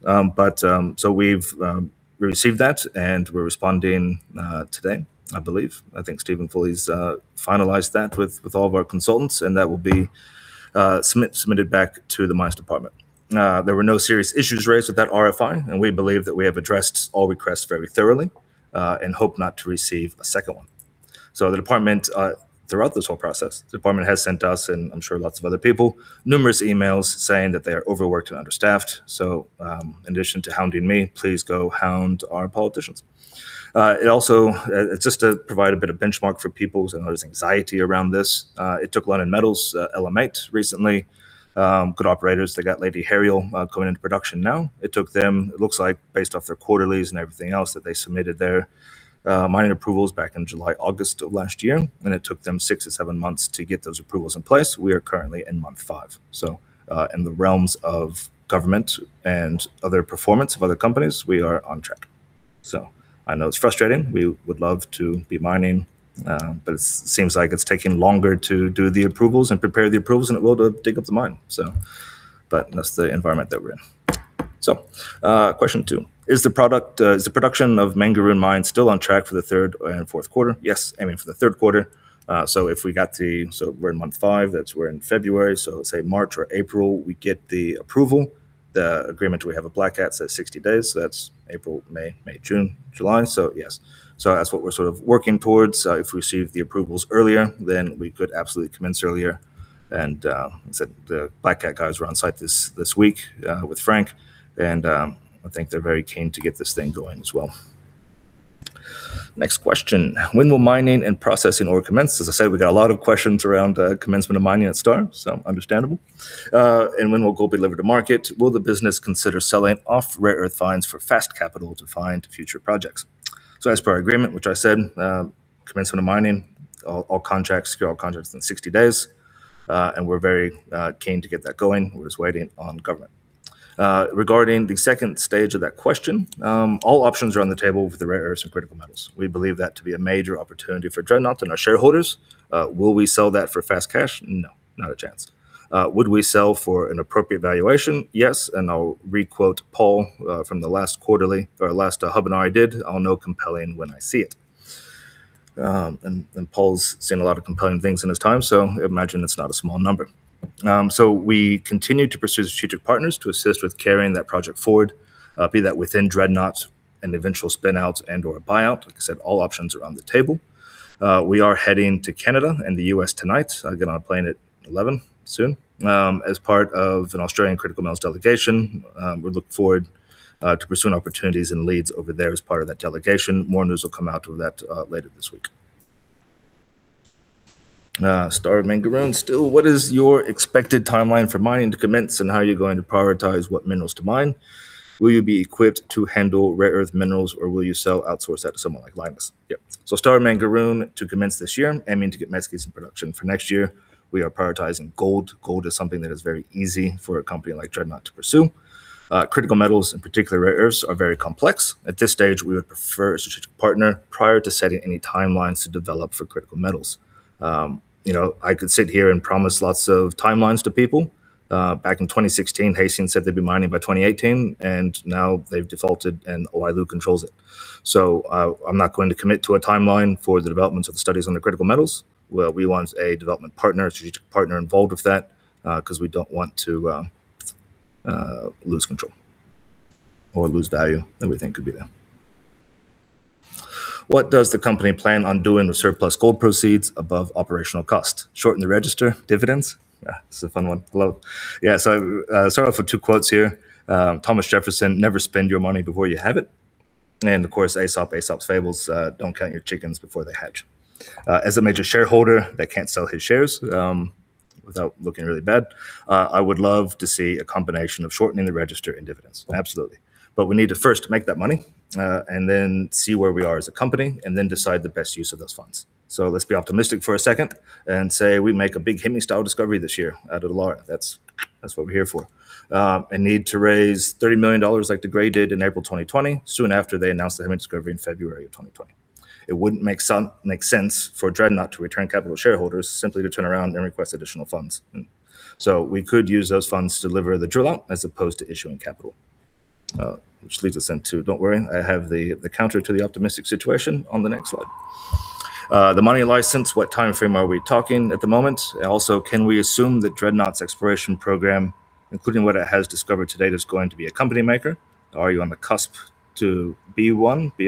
We've received that, and we're responding today, I believe. I think Stephen Foley's finalized that with all of our consultants, and that will be submitted back to the Mines Department. There were no serious issues raised with that RFI, and we believe that we have addressed all requests very thoroughly and hope not to receive a second one. The department, throughout this whole process, the department has sent us, and I'm sure lots of other people, numerous emails saying that they are overworked and understaffed. In addition to hounding me, please go hound our politicians. It's just to provide a bit of benchmark for people's, I know there's anxiety around this. It took Lunnon Metals, LM8, recently, good operators. They got Lady Herial coming into production now. It took them, it looks like, based off their quarterlies and everything else, that they submitted their mining approvals back in July, August of last year, and it took them 6 or 7 months to get those approvals in place. We are currently in month 5. In the realms of government and other performance of other companies, we are on track. I know it's frustrating. We would love to be mining, it seems like it's taking longer to do the approvals and prepare the approvals than it will to dig up the mine. That's the environment that we're in. Question 2: Is the production of Mangaroon mine still on track for the third and fourth quarter? Yes, aiming for the third quarter. We're in month fifth that's we're in February, say March or April, we get the approval. The agreement we have with Black Cat says 60 days, that's April, May, June, July. Yes. That's what we're sort of working towards. If we receive the approvals earlier, we could absolutely commence earlier. I said the Black Cat guys were on site this week with Frank, and I think they're very keen to get this thing going as well. Next question: When will mining and processing ore commence? As I said, we got a lot of questions around commencement of mining at Star, so understandable. When will gold be delivered to market? Will the business consider selling off rare earth fines for fast capital to find future projects? As per our agreement, which I said, commencement of mining, all contracts, secure all contracts in 60 days, and we're very keen to get that going. We're just waiting on government. Regarding the second stage of that question, all options are on the table for the rare earths and critical metals. We believe that to be a major opportunity for Dreadnought and our shareholders. Will we sell that for fast cash? No, not a chance. Would we sell for an appropriate valuation? Yes, I'll requote Paul from the last quarterly or last webinar I did. "I'll know compelling when I see it." Paul's seen a lot of compelling things in his time, so imagine it's not a small number. We continue to pursue strategic partners to assist with carrying that project forward, be that within Dreadnought and eventual spin outs and/or a buyout. Like I said, all options are on the table. We are heading to Canada and the U.S. tonight. I get on a plane at 11, soon, as part of an Australian Critical Metals delegation. We look forward to pursuing opportunities and leads over there as part of that delegation. More news will come out of that later this week. Star of Mangaroon still: What is your expected timeline for mining to commence, and how are you going to prioritize what minerals to mine? Will you be equipped to handle rare earth minerals, or will you sell, outsource that to someone like Lynas? Yep. Star of Mangaroon to commence this year, aiming to get Metzke's in production for next year. We are prioritizing gold. Gold is something that is very easy for a company like Dreadnought to pursue. Critical metals and particular rare earths are very complex. At this stage, we would prefer a strategic partner prior to setting any timelines to develop for critical metals. You know, I could sit here and promise lots of timelines to people. Back in 2016, Hastings Technology Metals said they'd be mining by 2018, now they've defaulted, and Wyloo controls it. I'm not going to commit to a timeline for the development of the studies on the critical metals. We want a development partner, strategic partner involved with that, 'cause we don't want to lose control or lose value that we think could be there. What does the company plan on doing with surplus gold proceeds above operational cost? Shorten the register, dividends. It's a fun one. Love. Start off with two quotes here. Thomas Jefferson: "Never spend your money before you have it." Of course, Aesop's Fables, "Don't count your chickens before they hatch." As a major shareholder that can't sell his shares, without looking really bad, I would love to see a combination of shortening the register and dividends, absolutely. We need to first make that money, and then see where we are as a company, and then decide the best use of those funds. Let's be optimistic for a second and say we make a big Hemi-style discovery this year out of the lot. That's what we're here for. and need to raise 30 million dollars like De Grey did in April 2020, soon after they announced the Hemi discovery in February of 2020. It wouldn't make sense for Dreadnought to return capital to shareholders simply to turn around and request additional funds. We could use those funds to deliver the drill out, as opposed to issuing capital. Which leads us into, don't worry, I have the counter to the optimistic situation on the next slide. The money license, what time frame are we talking at the moment? Also, can we assume that Dreadnought's exploration program, including what it has discovered to date, is going to be a company maker? Are you on the cusp to be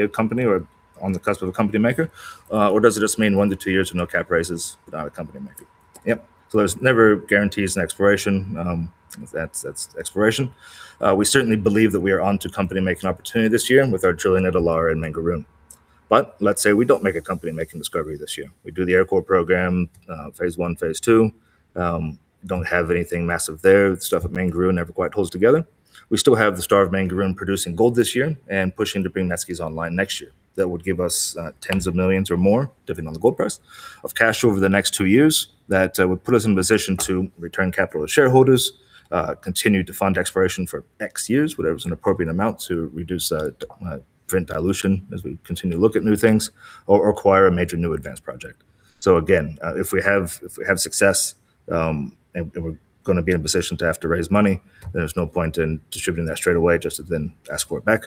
a company or on the cusp of a company maker, or does it just mean 1 year-2 years with no cap raises without a company maker? Yep. There's never guarantees in exploration, that's exploration. We certainly believe that we are onto company making opportunity this year with our drilling at Illaara and Mangaroon. Let's say we don't make a company making discovery this year. We do the aircore program, Phase 1, Phase 2, don't have anything massive there. The stuff at Mangaroon never quite holds together. We still have the Star of Mangaroon producing gold this year, and pushing to bring Metzke's online next year. That would give us tens of millions or more, depending on the gold price, of cash over the next two years. That would put us in a position to return capital to shareholders, continue to fund exploration for X years, whatever is an appropriate amount, to reduce print dilution as we continue to look at new things, or acquire a major new advanced project. Again, if we have success, and we're gonna be in a position to have to raise money, there's no point in distributing that straight away just to then ask for it back.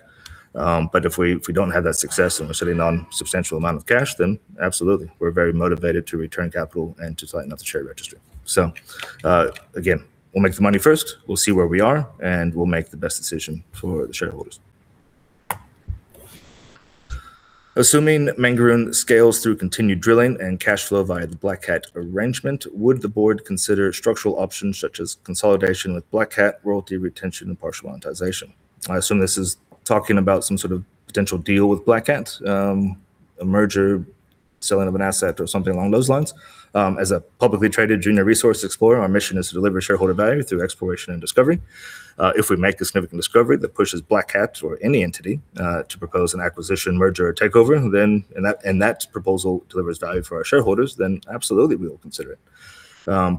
If we don't have that success and we're sitting on a substantial amount of cash, then absolutely, we're very motivated to return capital and to tighten up the share register. Again, we'll make the money first, we'll see where we are, and we'll make the best decision for the shareholders. Assuming Mangaroon scales through continued drilling and cash flow via the Black Cat arrangement, would the board consider structural options such as consolidation with Black Cat, royalty retention, and partial monetization? I assume this is talking about some sort of potential deal with Black Cat, a merger, selling of an asset or something along those lines. As a publicly traded junior resource explorer, our mission is to deliver shareholder value through exploration and discovery. If we make a significant discovery that pushes Black Cat or any entity to propose an acquisition, merger, or takeover, then that proposal delivers value for our shareholders, then absolutely, we will consider it.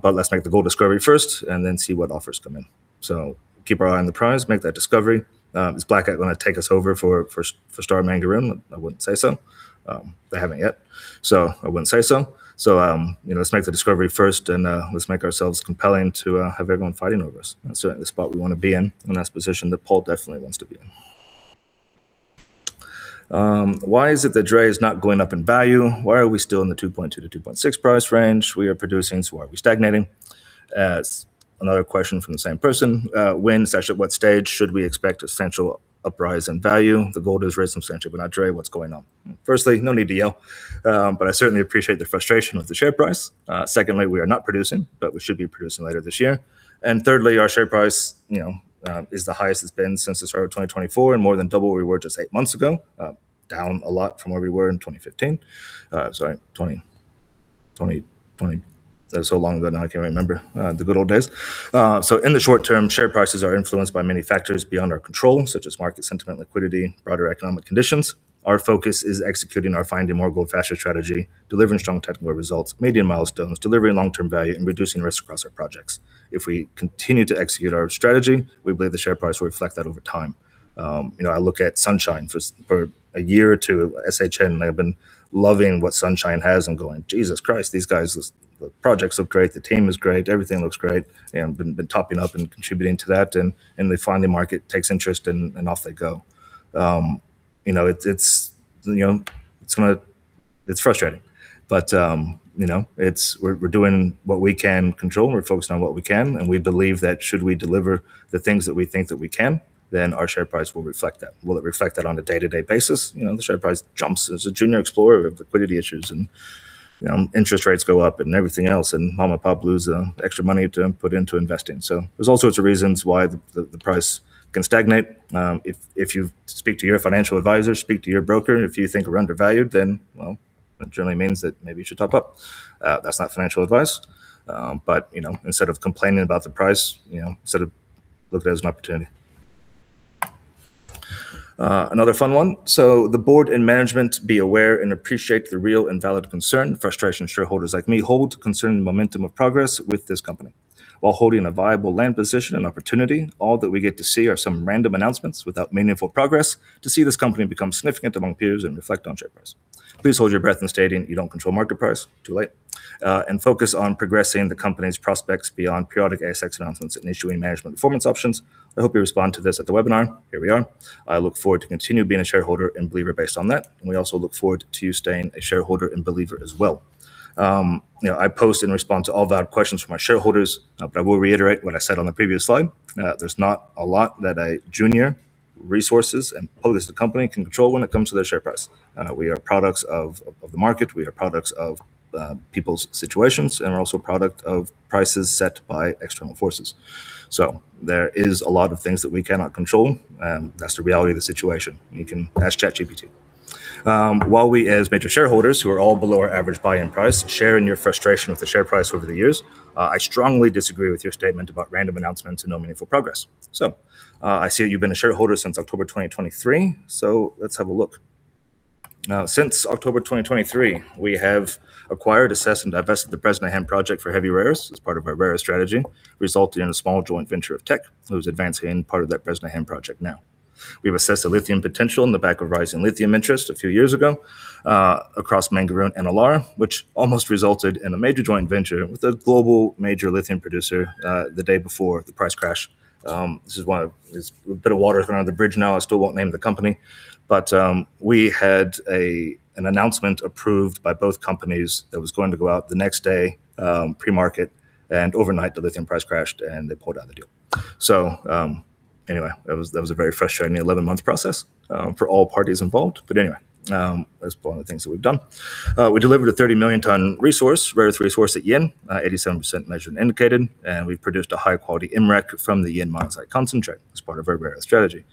Let's make the gold discovery first and then see what offers come in. Keep our eye on the prize, make that discovery. Is Black Cat gonna take us over for Star of Mangaroon? I wouldn't say so. They haven't yet, I wouldn't say so. You know, let's make the discovery first and let's make ourselves compelling to have everyone fighting over us. That's certainly the spot we want to be in, and that's the position that Paul definitely wants to be in. "Why is it that DRE is not going up in value? Why are we still in the 2.2-2.6 price range? We are producing, so why are we stagnating?" Another question from the same person: "When, such at what stage, should we expect essential uprise in value? The gold has risen substantially, but not DRE. What's going on?" Firstly, no need to yell, I certainly appreciate the frustration with the share price. Secondly, we are not producing, we should be producing later this year. Thirdly, our share price, you know, is the highest it's been since the start of 2024, and more than double where we were just eight months ago. Down a lot from where we were in 2015. Sorry, that was so long ago now, I can't remember, the good old days. In the short term, share prices are influenced by many factors beyond our control, such as market sentiment, liquidity, broader economic conditions. Our focus is executing our finding more gold faster strategy, delivering strong technical results, meeting milestones, delivering long-term value, and reducing risk across our projects. If we continue to execute our strategy, we believe the share price will reflect that over time. You know, I look at Sunshine for a year or two, SHN, I've been loving what Sunshine has and going, "Jesus Christ, these guys, the projects look great, the team is great, everything looks great." Been topping up and contributing to that, then finally the market takes interest and off they go. You know, it's, you know, it's frustrating, but, you know, we're doing what we can control, and we're focused on what we can, and we believe that should we deliver the things that we think that we can, then our share price will reflect that. Will it reflect that on a day-to-day basis? You know, the share price jumps. As a junior explorer, we have liquidity issues, and interest rates go up and everything else, and mom and pop lose extra money to put into investing. There's all sorts of reasons why the price can stagnate. If you speak to your financial advisor, speak to your broker, and if you think we're undervalued, then well, that generally means that maybe you should top up. That's not financial advice, but, you know, instead of complaining about the price, you know, instead, look at it as an opportunity. Another fun one: "The board and management be aware and appreciate the real and valid concern, frustration shareholders like me hold concerning the momentum of progress with this company. While holding a viable land position and opportunity, all that we get to see are some random announcements without meaningful progress to see this company become significant among peers and reflect on share price. Please hold your breath in stating you don't control market price," too late, "and focus on progressing the company's prospects beyond periodic ASX announcements and issuing management performance options. I hope you respond to this at the webinar." Here we are. "I look forward to continue being a shareholder and believer based on that." We also look forward to you staying a shareholder and believer as well. You know, I post in response to all valid questions from our shareholders, but I will reiterate what I said on the previous slide. There's not a lot that a junior resources and public company can control when it comes to their share price. We are products of the market, we are products of people's situations, and we're also a product of prices set by external forces. There is a lot of things that we cannot control, and that's the reality of the situation. You can ask ChatGPT. While we as major shareholders, who are all below our average buy-in price, share in your frustration with the share price over the years, I strongly disagree with your statement about random announcements and no meaningful progress. I see that you've been a shareholder since October 2023, let's have a look. Now, since October 2023, we have acquired, assessed, and divested the Bresnahan Project for heavy rares as part of our rare strategy, resulting in a small joint venture of Teck that was advancing part of that Bresnahan Project. We've assessed the lithium potential in the back of rising lithium interest a few years ago, across Mangaroon and Illaara, which almost resulted in a major joint venture with a global major lithium producer, the day before the price crash. This is why there's a bit of water under the bridge now. I still won't name the company, but we had an announcement approved by both companies that was going to go out the next day pre-market, and overnight, the lithium price crashed, and they pulled out of the deal. Anyway, that was a very frustrating 11-month process for all parties involved. Anyway, that's one of the things that we've done. We delivered a 30 million ton resource, rare earth resource at Yin, 87% measured and indicated. We've produced a high-quality MREC from the Yin monazite concentrate as part of our rare earth strategy.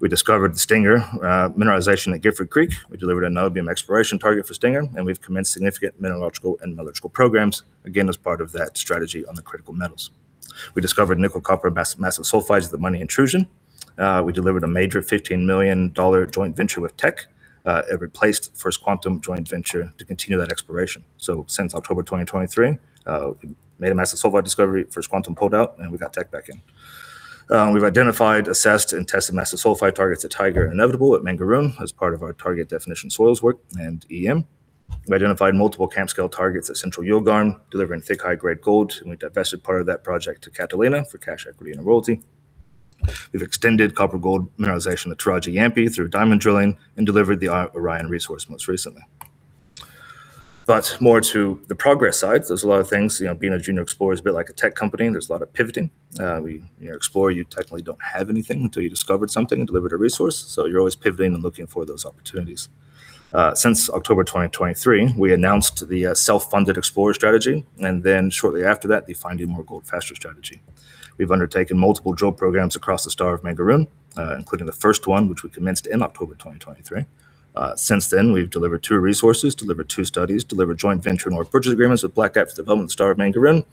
We discovered the Stinger mineralization at Gifford Creek. We delivered a niobium exploration target for Stinger. We've commenced significant metallurgical programs, again, as part of that strategy on the critical metals. We discovered nickel, copper, massive sulfides at the Money Intrusion. We delivered a major 15 million dollar joint venture with Teck. It replaced the First Quantum joint venture to continue that exploration. Since October 2023, we made a massive sulfide discovery, First Quantum pulled out, and we got Teck back in. We've identified, assessed, and tested massive sulfide targets at Tiger and The Inevitable at Mangaroon as part of our target definition, soils work, and EM. We identified multiple camp-scale targets at Central Yilgarn, delivering thick, high-grade gold. We divested part of that project to Catalina for cash, equity, and a royalty. We've extended copper-gold mineralization at Tarraji-Yampi through diamond drilling and delivered the Orion resource most recently. More to the progress side, there's a lot of things. You know, being a junior explorer is a bit like a tech company. There's a lot of pivoting. We, you know, explore, you technically don't have anything until you discovered something and delivered a resource. You're always pivoting and looking for those opportunities. Since October 2023, we announced the self-funded explorer strategy. Shortly after that, the find a more gold faster strategy. We've undertaken multiple drill programs across the Star of Mangaroon, including the first one, which we commenced in October 2023. Since then, we've delivered two resources, delivered two studies, delivered joint venture and work purchase agreements with Black Cat Syndicate for development of Star of Mangaroon,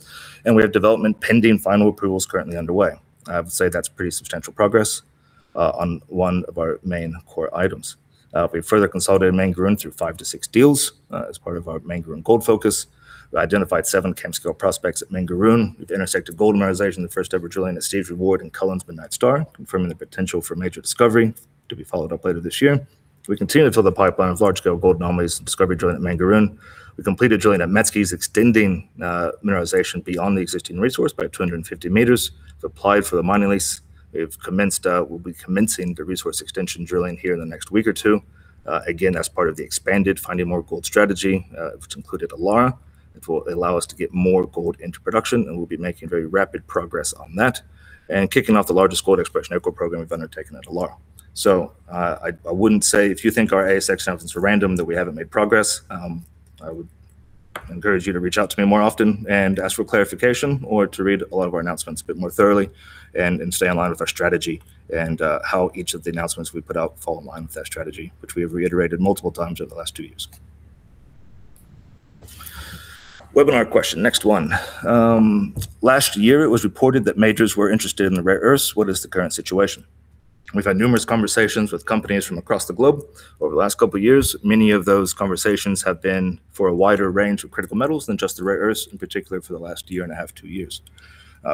and we have development pending final approvals currently underway. I would say that's pretty substantial progress on one of our main core items. We further consolidated Mangaroon through five to six deals as part of our Mangaroon gold focus. We identified seven camp-scale prospects at Mangaroon. We've intersected gold mineralization, the first-ever drilling at Steve's Reward and Cullen's and Midnight Star, confirming the potential for a major discovery to be followed up later this year. We continue to fill the pipeline of large-scale gold anomalies and discovery drilling at Mangaroon. We completed drilling at Metzke's, extending mineralization beyond the existing resource by 250 meters. We've applied for the mining lease. We'll be commencing the resource extension drilling here in the next week or two. Again, that's part of the expanded finding more gold strategy, which included Illaara. It will allow us to get more gold into production, and we'll be making very rapid progress on that and kicking off the largest gold exploration aircore program we've undertaken at Illaara. I wouldn't say if you think our ASX announcements are random, that we haven't made progress. I would encourage you to reach out to me more often and ask for clarification or to read a lot of our announcements a bit more thoroughly and stay in line with our strategy and how each of the announcements we put out fall in line with that strategy, which we have reiterated multiple times over the last 2 years. Webinar question, next one. Last year it was reported that majors were interested in the rare earths. What is the current situation? We've had numerous conversations with companies from across the globe over the last couple of years. Many of those conversations have been for a wider range of critical metals than just the rare earths, in particular, for the last year and a half, 2 years.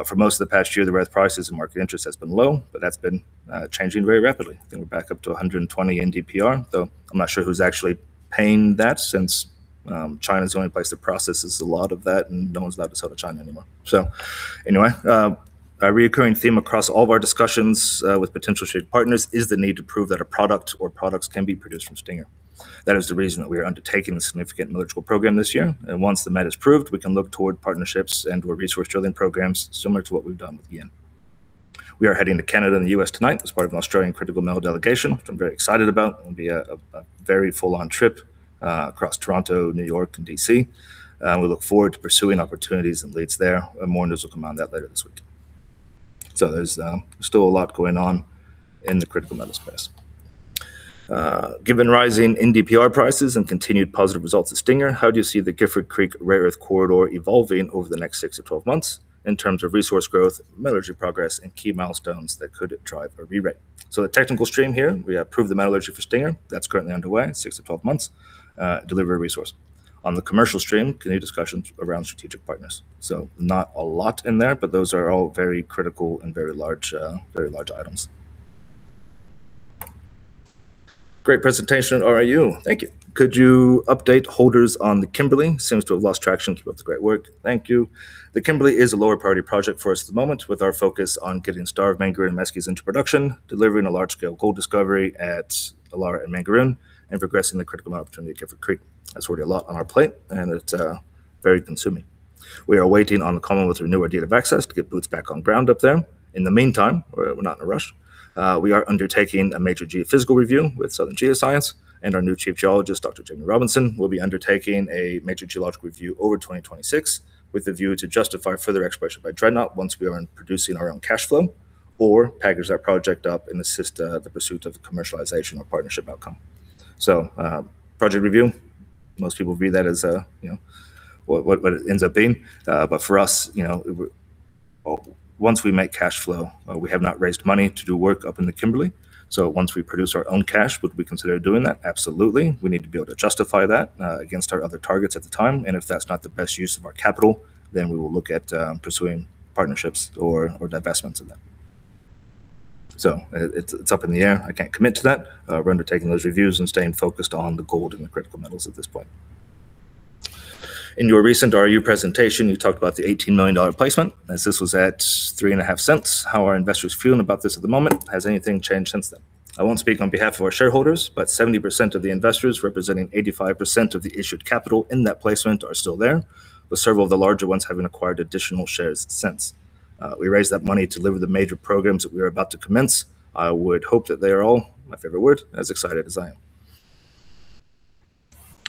For most of the past year, the rare earth prices and market interest has been low, but that's been changing very rapidly. I think we're back up to 120 NdPr, though I'm not sure who's actually paying that since China's the only place that processes a lot of that, and no one's allowed to sell to China anymore. Anyway, a reoccurring theme across all of our discussions with potential shared partners is the need to prove that a product or products can be produced from Stinger. That is the reason that we are undertaking the significant metallurgical program this year, and once the met is proved, we can look toward partnerships and/or resource drilling programs similar to what we've done with Yin. We are heading to Canada and the U.S. tonight as part of an Australian Critical Metals delegation, which I'm very excited about. It will be a very full-on trip across Toronto, New York, and D.C., and we look forward to pursuing opportunities and leads there, and more news will come on that later this week. There's still a lot going on in the critical metals space. Given rising NdPr prices and continued positive results at Stinger, how do you see the Gifford Creek rare earth corridor evolving over the next 6 months-12 months in terms of resource growth, metallurgy progress, and key milestones that could drive a re-rate? The technical stream here, we have proved the metallurgy for Stinger. That's currently underway, 6 months-12 months, deliver a resource. On the commercial stream, continue discussions around strategic partners. Not a lot in there, but those are all very critical and very large, very large items. Great presentation, how are you? Thank you. Could you update holders on the Kimberley? Seems to have lost traction, but it's great work. Thank you. The Kimberley is a lower priority project for us at the moment, with our focus on getting Star of Mangaroon and Metzke's into production, delivering a large-scale gold discovery at Illaara and Mangaroon, and progressing the critical opportunity at Gifford Creek. That's already a lot on our plate, and it's very consuming. We are waiting on the Commonwealth renewal date of access to get boots back on ground up there. In the meantime, we're not in a rush, we are undertaking a major geophysical review with Southern Geoscience, and our new chief geologist, Dr Jamie Robinson, will be undertaking a major geological review over 2026 with a view to justify further exploration by Dreadnought once we are producing our own cash flow or package that project up and assist the pursuit of commercialization or partnership outcome. Project review, most people view that as a, you know, what it ends up being, for us, you know, once we make cash flow, we have not raised money to do work up in the Kimberley. Once we produce our own cash, would we consider doing that? Absolutely. We need to be able to justify that against our other targets at the time. If that's not the best use of our capital, then we will look at pursuing partnerships or divestments of them. It's up in the air. I can't commit to that. We're undertaking those reviews and staying focused on the gold and the critical metals at this point. "In your recent RIU presentation, you talked about the 18 million dollar placement. This was at 0.035. How are investors feeling about this at the moment? Has anything changed since then?" I won't speak on behalf of our shareholders. 70% of the investors, representing 85% of the issued capital in that placement, are still there, with several of the larger ones having acquired additional shares since. We raised that money to deliver the major programs that we are about to commence. I would hope that they are all, my favorite word, as excited as I am.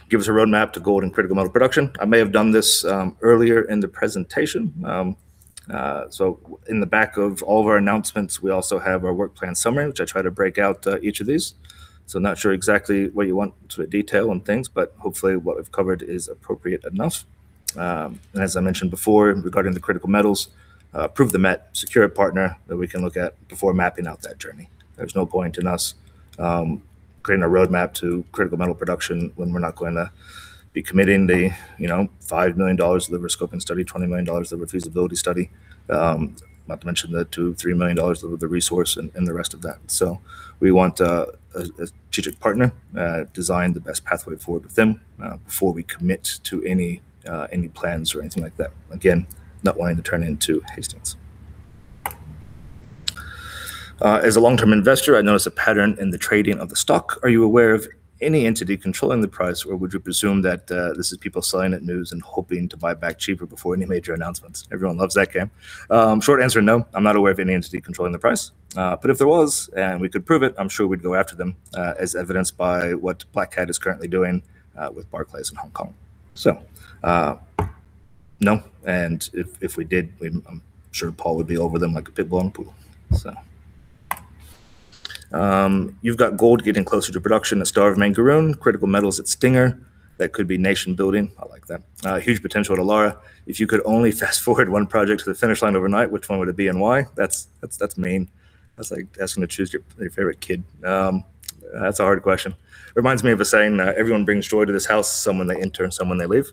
"Give us a roadmap to gold and critical metal production." I may have done this earlier in the presentation. In the back of all of our announcements, we also have our work plan summary, which I try to break out each of these. Not sure exactly what you want to detail on things, but hopefully what I've covered is appropriate enough. As I mentioned before, regarding the critical metals, prove the met, secure a partner that we can look at before mapping out that journey. There's no point in us creating a roadmap to critical metal production when we're not going to be committing the 5 million dollars liver scoping study, 20 million dollars liver feasibility study, not to mention the 2 million-3 million dollars of the resource and the rest of that. We want a strategic partner design the best pathway forward with them before we commit to any plans or anything like that. Again, not wanting to turn into Hastings. "As a long-term investor, I notice a pattern in the trading of the stock. Are you aware of any entity controlling the price, or would you presume that this is people selling at news and hoping to buy back cheaper before any major announcements?" Everyone loves that game. Short answer, no, I'm not aware of any entity controlling the price. If there was, and we could prove it, I'm sure we'd go after them, as evidenced by what Black Cat is currently doing, with Barclays in Hong Kong. No, and if we did, I'm sure Paul would be over them like a pit bull in a pool. "You've got gold getting closer to production at Star of Mangaroon, critical metals at Stinger, that could be nation building." I like that. "Huge potential at Illaara. If you could only fast-forward one project to the finish line overnight, which one would it be, and why?" That's mean. That's like asking to choose your favorite kid. That's a hard question. It reminds me of a saying that everyone brings joy to this house, some when they enter, and some when they leave.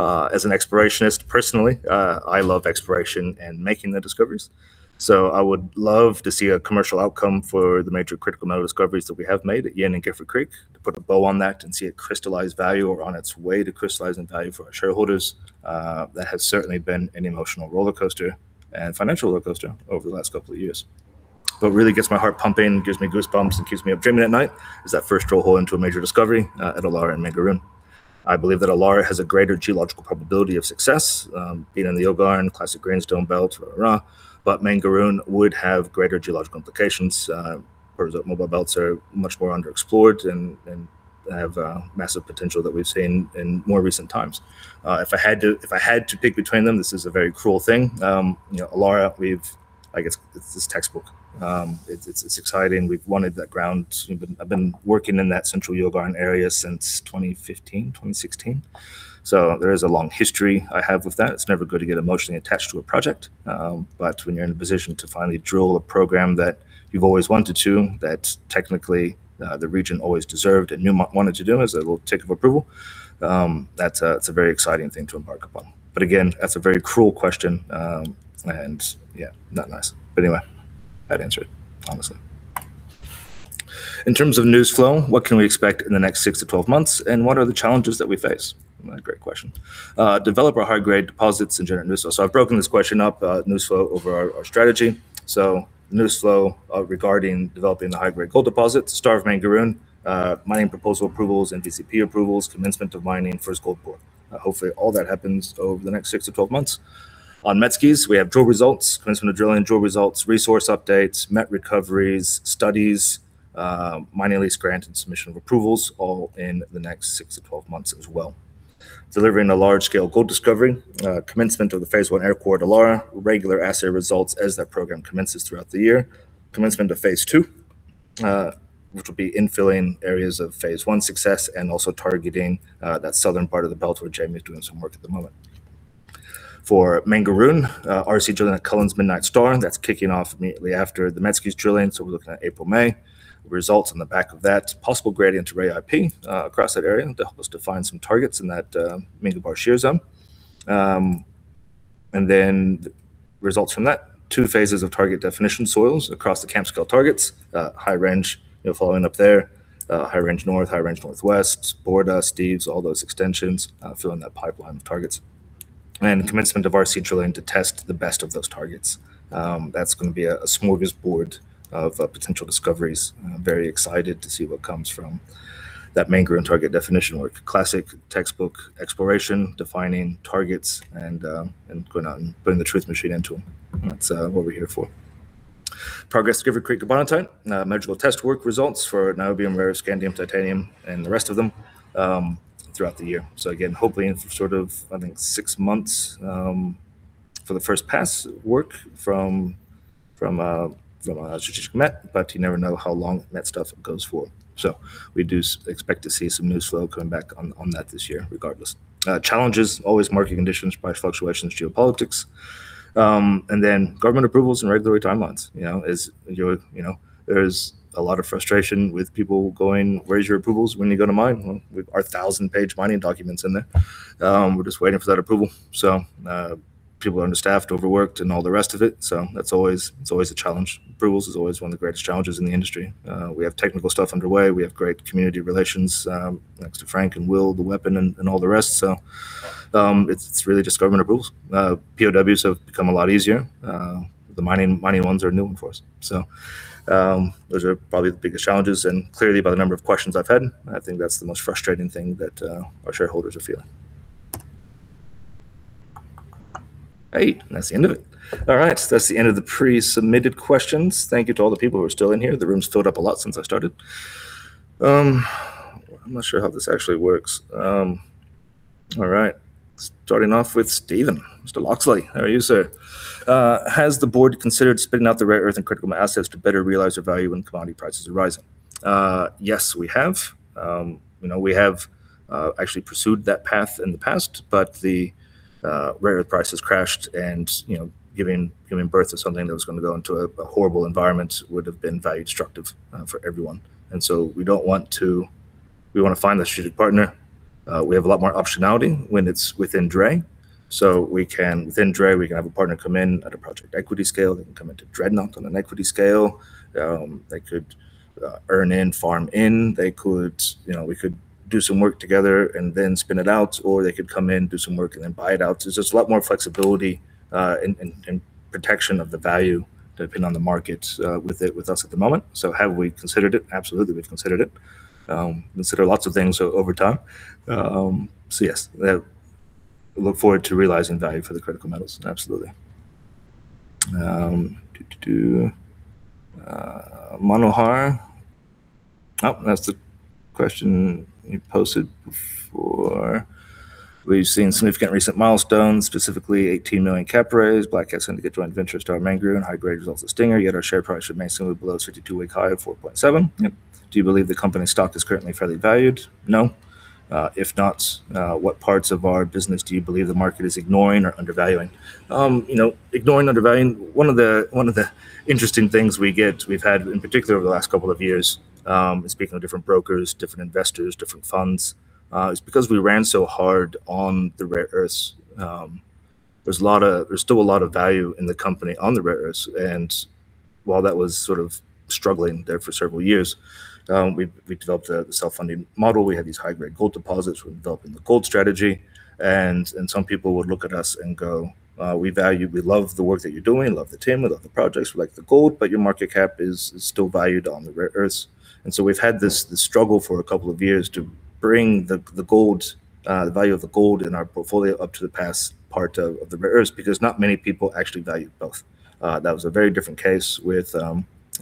As an explorationist, personally, I love exploration and making the discoveries. I would love to see a commercial outcome for the major critical metal discoveries that we have made at Yin and Gifford Creek. To put a bow on that and see it crystallize value or on its way to crystallizing value for our shareholders, that has certainly been an emotional rollercoaster and financial rollercoaster over the last couple of years. What really gets my heart pumping, gives me goosebumps, and keeps me up dreaming at night, is that first drill hole into a major discovery at Illaara and Mangaroon. I believe that Illaara has a greater geological probability of success, being in the Yilgarn classic greenstone belt, but Mangaroon would have greater geological implications. Parts of mobile belts are much more underexplored and have massive potential that we've seen in more recent times. If I had to pick between them, this is a very cruel thing. You know, Illaara, we've I guess it's this textbook. It's exciting. We've wanted that ground. I've been working in that Central Yilgarn area since 2015, 2016, so there is a long history I have with that. It's never good to get emotionally attached to a project, but when you're in a position to finally drill a program that you've always wanted to, that technically, the region always deserved, and you might wanted to do as a little tick of approval, that's a, that's a very exciting thing to embark upon. Again, that's a very cruel question, and yeah, not nice. Anyway, that answered, honestly. "In terms of news flow, what can we expect in the next 6 months-12 months, and what are the challenges that we face?" Great question. Develop our high-grade deposits and generate news flow. I've broken this question up, news flow over our strategy. News flow, regarding developing the high-grade gold deposits, Star of Mangaroon, mining proposal approvals, NVCP approvals, commencement of mining, first gold pour. Hopefully all that happens over the next 6 months-12 months. On Metzke's, we have drill results, commencement of drilling and drill results, resource updates, met recoveries, studies, mining lease grant and submission of approvals, all in the next 6 months-12 months as well. Delivering a large-scale gold discovery, commencement of the Phase 1 Aircore at Illaara, regular assay results as that program commences throughout the year. Commencement of Phase 2, which will be infilling areas of Phase 1 success and also targeting that southern part of the belt where Jamie is doing some work at the moment. For Mangaroon, RC drilling at Cullen's Midnight Star, that's kicking off immediately after the Metzke's drilling. We're looking at April, May. Results on the back of that, possible gradient array IP across that area to help us define some targets in that Minga Bar shear zone. Results from that, two phases of target definition soils across the camp-scale targets, High Range, you know, following up there, High Range North, High Range Northwest, Borda, Steves, all those extensions, filling that pipeline of targets. Commencement of RC drilling to test the best of those targets. That's gonna be a smorgasbord of potential discoveries. I'm very excited to see what comes from that Mangaroon target definition work. Classic textbook exploration, defining targets, and going out and putting the truth machine into them. That's what we're here for. Progress at Gifford Creek Carbonatite, measurable test work results for niobium, rare earth scandium, titanium, and the rest of them throughout the year. Again, hopefully in 6 months for the first pass work from a strategic met, but you never know how long that stuff goes for. We do expect to see some news flow coming back on that this year, regardless. Challenges, always market conditions by fluctuations in geopolitics, government approvals and regulatory timelines. You know, there's a lot of frustration with people going, "Where's your approvals?" When you go to mine, well, we've our 1,000-page mining documents in there. We're just waiting for that approval. People are understaffed, overworked, and all the rest of it's always a challenge. Approvals is always one of the greatest challenges in the industry. We have technical stuff underway. We have great community relations, thanks to Frank and Will, the weapon and all the rest. It's really just government approvals. POWs have become a lot easier. The mining ones are a new one for us. Those are probably the biggest challenges, and clearly by the number of questions I've had, I think that's the most frustrating thing that our shareholders are feeling. Great, that's the end of it. That's the end of the pre-submitted questions. Thank you to all the people who are still in here. The room's filled up a lot since I started. I'm not sure how this actually works. Starting off with Stephen. Mr. Locksley, how are you, sir? Has the board considered spinning out the rare earth and critical assets to better realize their value when commodity prices are rising?" Yes, we have. You know, we have actually pursued that path in the past, the rare earth prices crashed, and, you know, giving birth to something that was gonna go into a horrible environment would have been very destructive for everyone. We wanna find the strategic partner. We have a lot more optionality when it's within DRE. We can, within DRE, we can have a partner come in at a project equity scale. They can come into Dreadnought on an equity scale. They could earn in, farm in, they could, you know, we could do some work together and then spin it out, or they could come in, do some work, and then buy it out. There's a lot more flexibility and protection of the value depending on the market with it, with us at the moment. Have we considered it? Absolutely, we've considered it. Considered lots of things over time. Yes, we look forward to realizing value for the critical metals. Absolutely. Do Manohar. Oh, that's the question you posted before. "We've seen significant recent milestones, specifically 18 million cap rates. Black Cat seemed to get joint venture Star of Mangaroon and high-grade results of Stinger, yet our share price remains somewhat below its 52-week high of 4.7." Yep. Do you believe the company's stock is currently fairly valued?" No. "If not, what parts of our business do you believe the market is ignoring or undervaluing?" You know, ignoring, undervaluing, one of the interesting things we've had, in particular over the last couple of years, speaking to different brokers, different investors, different funds, is because we ran so hard on the rare earths, there's still a lot of value in the company on the rare earths, and while that was sort of struggling there for several years, we developed a self-funding model. We had these high-grade gold deposits. We developed the gold strategy, and some people would look at us and go, "We love the work that you're doing, love the team, we love the projects, we like the gold, but your market cap is still valued on the rare earths." We've had this struggle for a couple of years to bring the gold, the value of the gold in our portfolio up to the past part of the rare earths, because not many people actually value both. That was a very different case with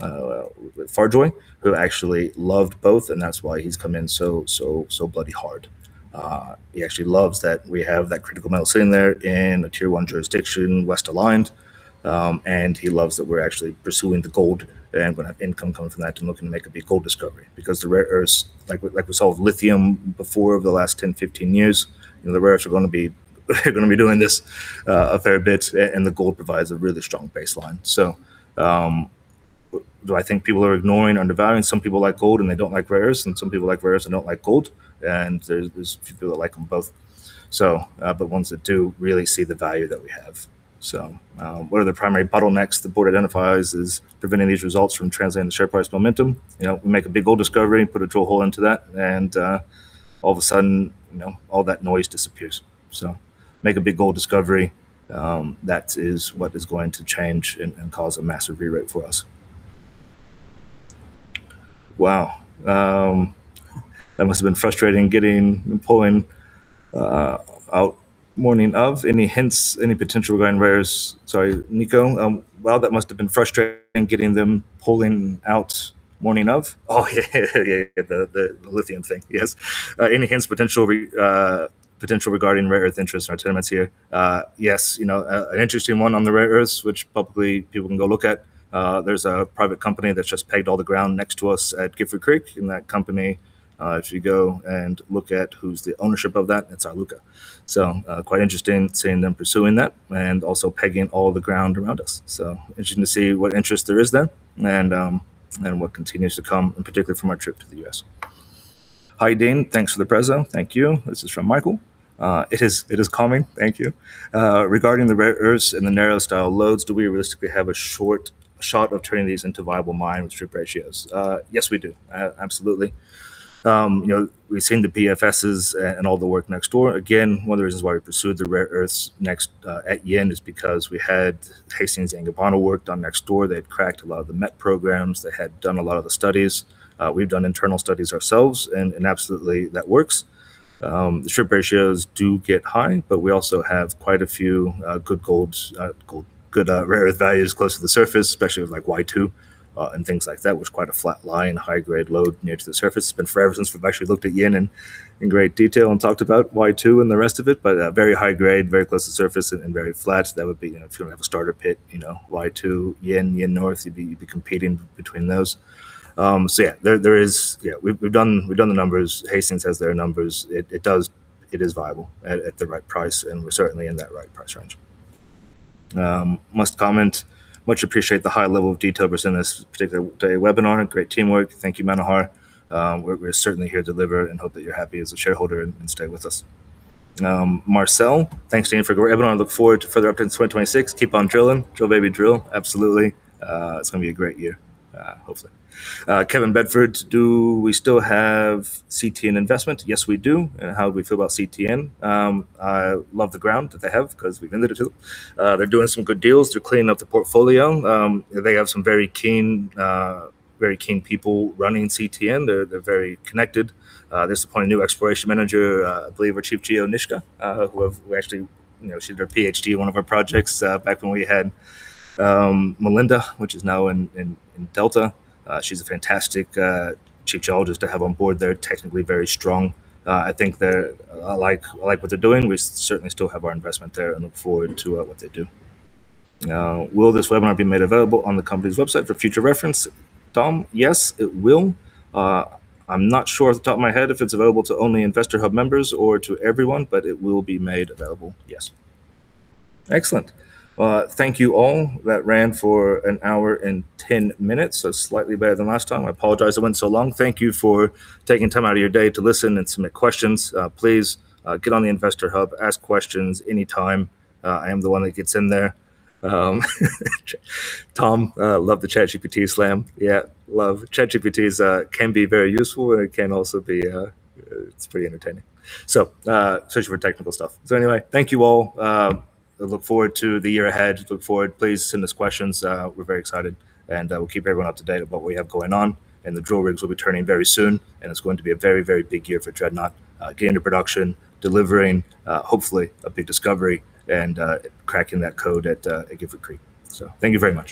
Farjoy, who actually loved both, and that's why he's come in so bloody hard. He actually loves that we have that critical metal sitting there in a tier one jurisdiction, west aligned, he loves that we're actually pursuing the gold and gonna have income coming from that and looking to make a big gold discovery. The rare earths, like we saw with lithium before over the last 10, 15 years, you know, the rare earths are gonna be doing this a fair bit, the gold provides a really strong baseline. Do I think people are ignoring, undervaluing? Some people like gold and they don't like rare earths, and some people like rare earths and don't like gold, and there's people that like them both. The ones that do really see the value that we have. What are the primary bottlenecks the board identifies as preventing these results from translating the share price momentum?" You know, we make a big gold discovery, put a drill hole into that, and all of a sudden, you know, all that noise disappears. Make a big gold discovery, that is what is going to change and cause a massive rerate for us. Wow, that must have been frustrating, getting, pulling out morning of. Any hints, any potential going rares. Sorry, Nico. Well, that must have been frustrating, getting them pulling out morning of? Oh, yeah, the lithium thing. Yes. Any hints, potential regarding rare earth interest in our tournaments here? Yes, you know, an interesting one on the rare earths, which probably people can go look at. There's a private company that's just pegged all the ground next to us at Gifford Creek. That company, if you go and look at who's the ownership of that, it's Aureka. Quite interesting seeing them pursuing that and also pegging all the ground around us. Interesting to see what interest there is there and what continues to come, in particular from our trip to the U.S. "Hi, Dean. Thanks for the presentation." Thank you. This is from Michael. It is coming. Thank you. "Regarding the rare earths and the narrow style lodes, do we realistically have a short shot of turning these into viable mines strip ratios?" Yes, we do. Absolutely. You know, we've seen the PFSs and all the work next door. One of the reasons why we pursued the rare earths next at Yin is because we had Hastings and Gabanintha work done next door. They'd cracked a lot of the met programs. They had done a lot of the studies. We've done internal studies ourselves, and absolutely that works. The strip ratios do get high, we also have quite a few good rare earth values close to the surface, especially with like Y2, and things like that, was quite a flat line, high-grade load near to the surface. It's been forever since we've actually looked at Yin in great detail and talked about Y2 and the rest of it, very high grade, very close to surface and very flat. That would be, you know, if you want to have a starter pit, you know, Y2, Yin North, you'd be competing between those. There is. We've done the numbers. Hastings has their numbers. It is viable at the right price, and we're certainly in that right price range. Must comment, much appreciate the high level of detail presented in this particular day webinar, and great teamwork. Thank you, Manohar. We're certainly here to deliver and hope that you're happy as a shareholder and stay with us. Marcel, "Thanks, Dean, for everyone. I look forward to further updates in 2026. Keep on drilling. Drill, baby, drill!" Absolutely, it's going to be a great year, hopefully. Kevin Bedford: "Do we still have CTN investment?" Yes, we do. How do we feel about CTN? I love the ground that they have because we've been there too. They're doing some good deals to clean up the portfolio. They have some very keen people running CTN. They're very connected. They just appointed a new exploration manager, I believe our Chief Geo, Nishka, who actually, you know, she did her PhD, one of our projects, back when we had Melinda, which is now in Delta. She's a fantastic chief geologist to have on board. They're technically very strong. I think I like what they're doing. We certainly still have our investment there and look forward to what they do. "Will this webinar be made available on the company's website for future reference?" Tom, yes, it will. I'm not sure off the top of my head if it's available to only InvestorHub members or to everyone, but it will be made available. Yes. Excellent. Thank you, all. That ran for an hour and 10 minutes, so slightly better than last time. I apologize it went so long. Thank you for taking time out of your day to listen and submit questions. Please get on the InvestorHub, ask questions anytime. I am the one that gets in there. Tom loved the ChatGPT slam. Yeah, love. ChatGPT is can be very useful, and it can also be it's pretty entertaining. Especially for technical stuff. Thank you all. I look forward to the year ahead. Look forward. Please send us questions. We're very excited, we'll keep everyone up to date on what we have going on, the drill rigs will be turning very soon, it's going to be a very, very big year for Dreadnought. Getting to production, delivering, hopefully, a big discovery, cracking that code at Gifford Creek. Thank you very much.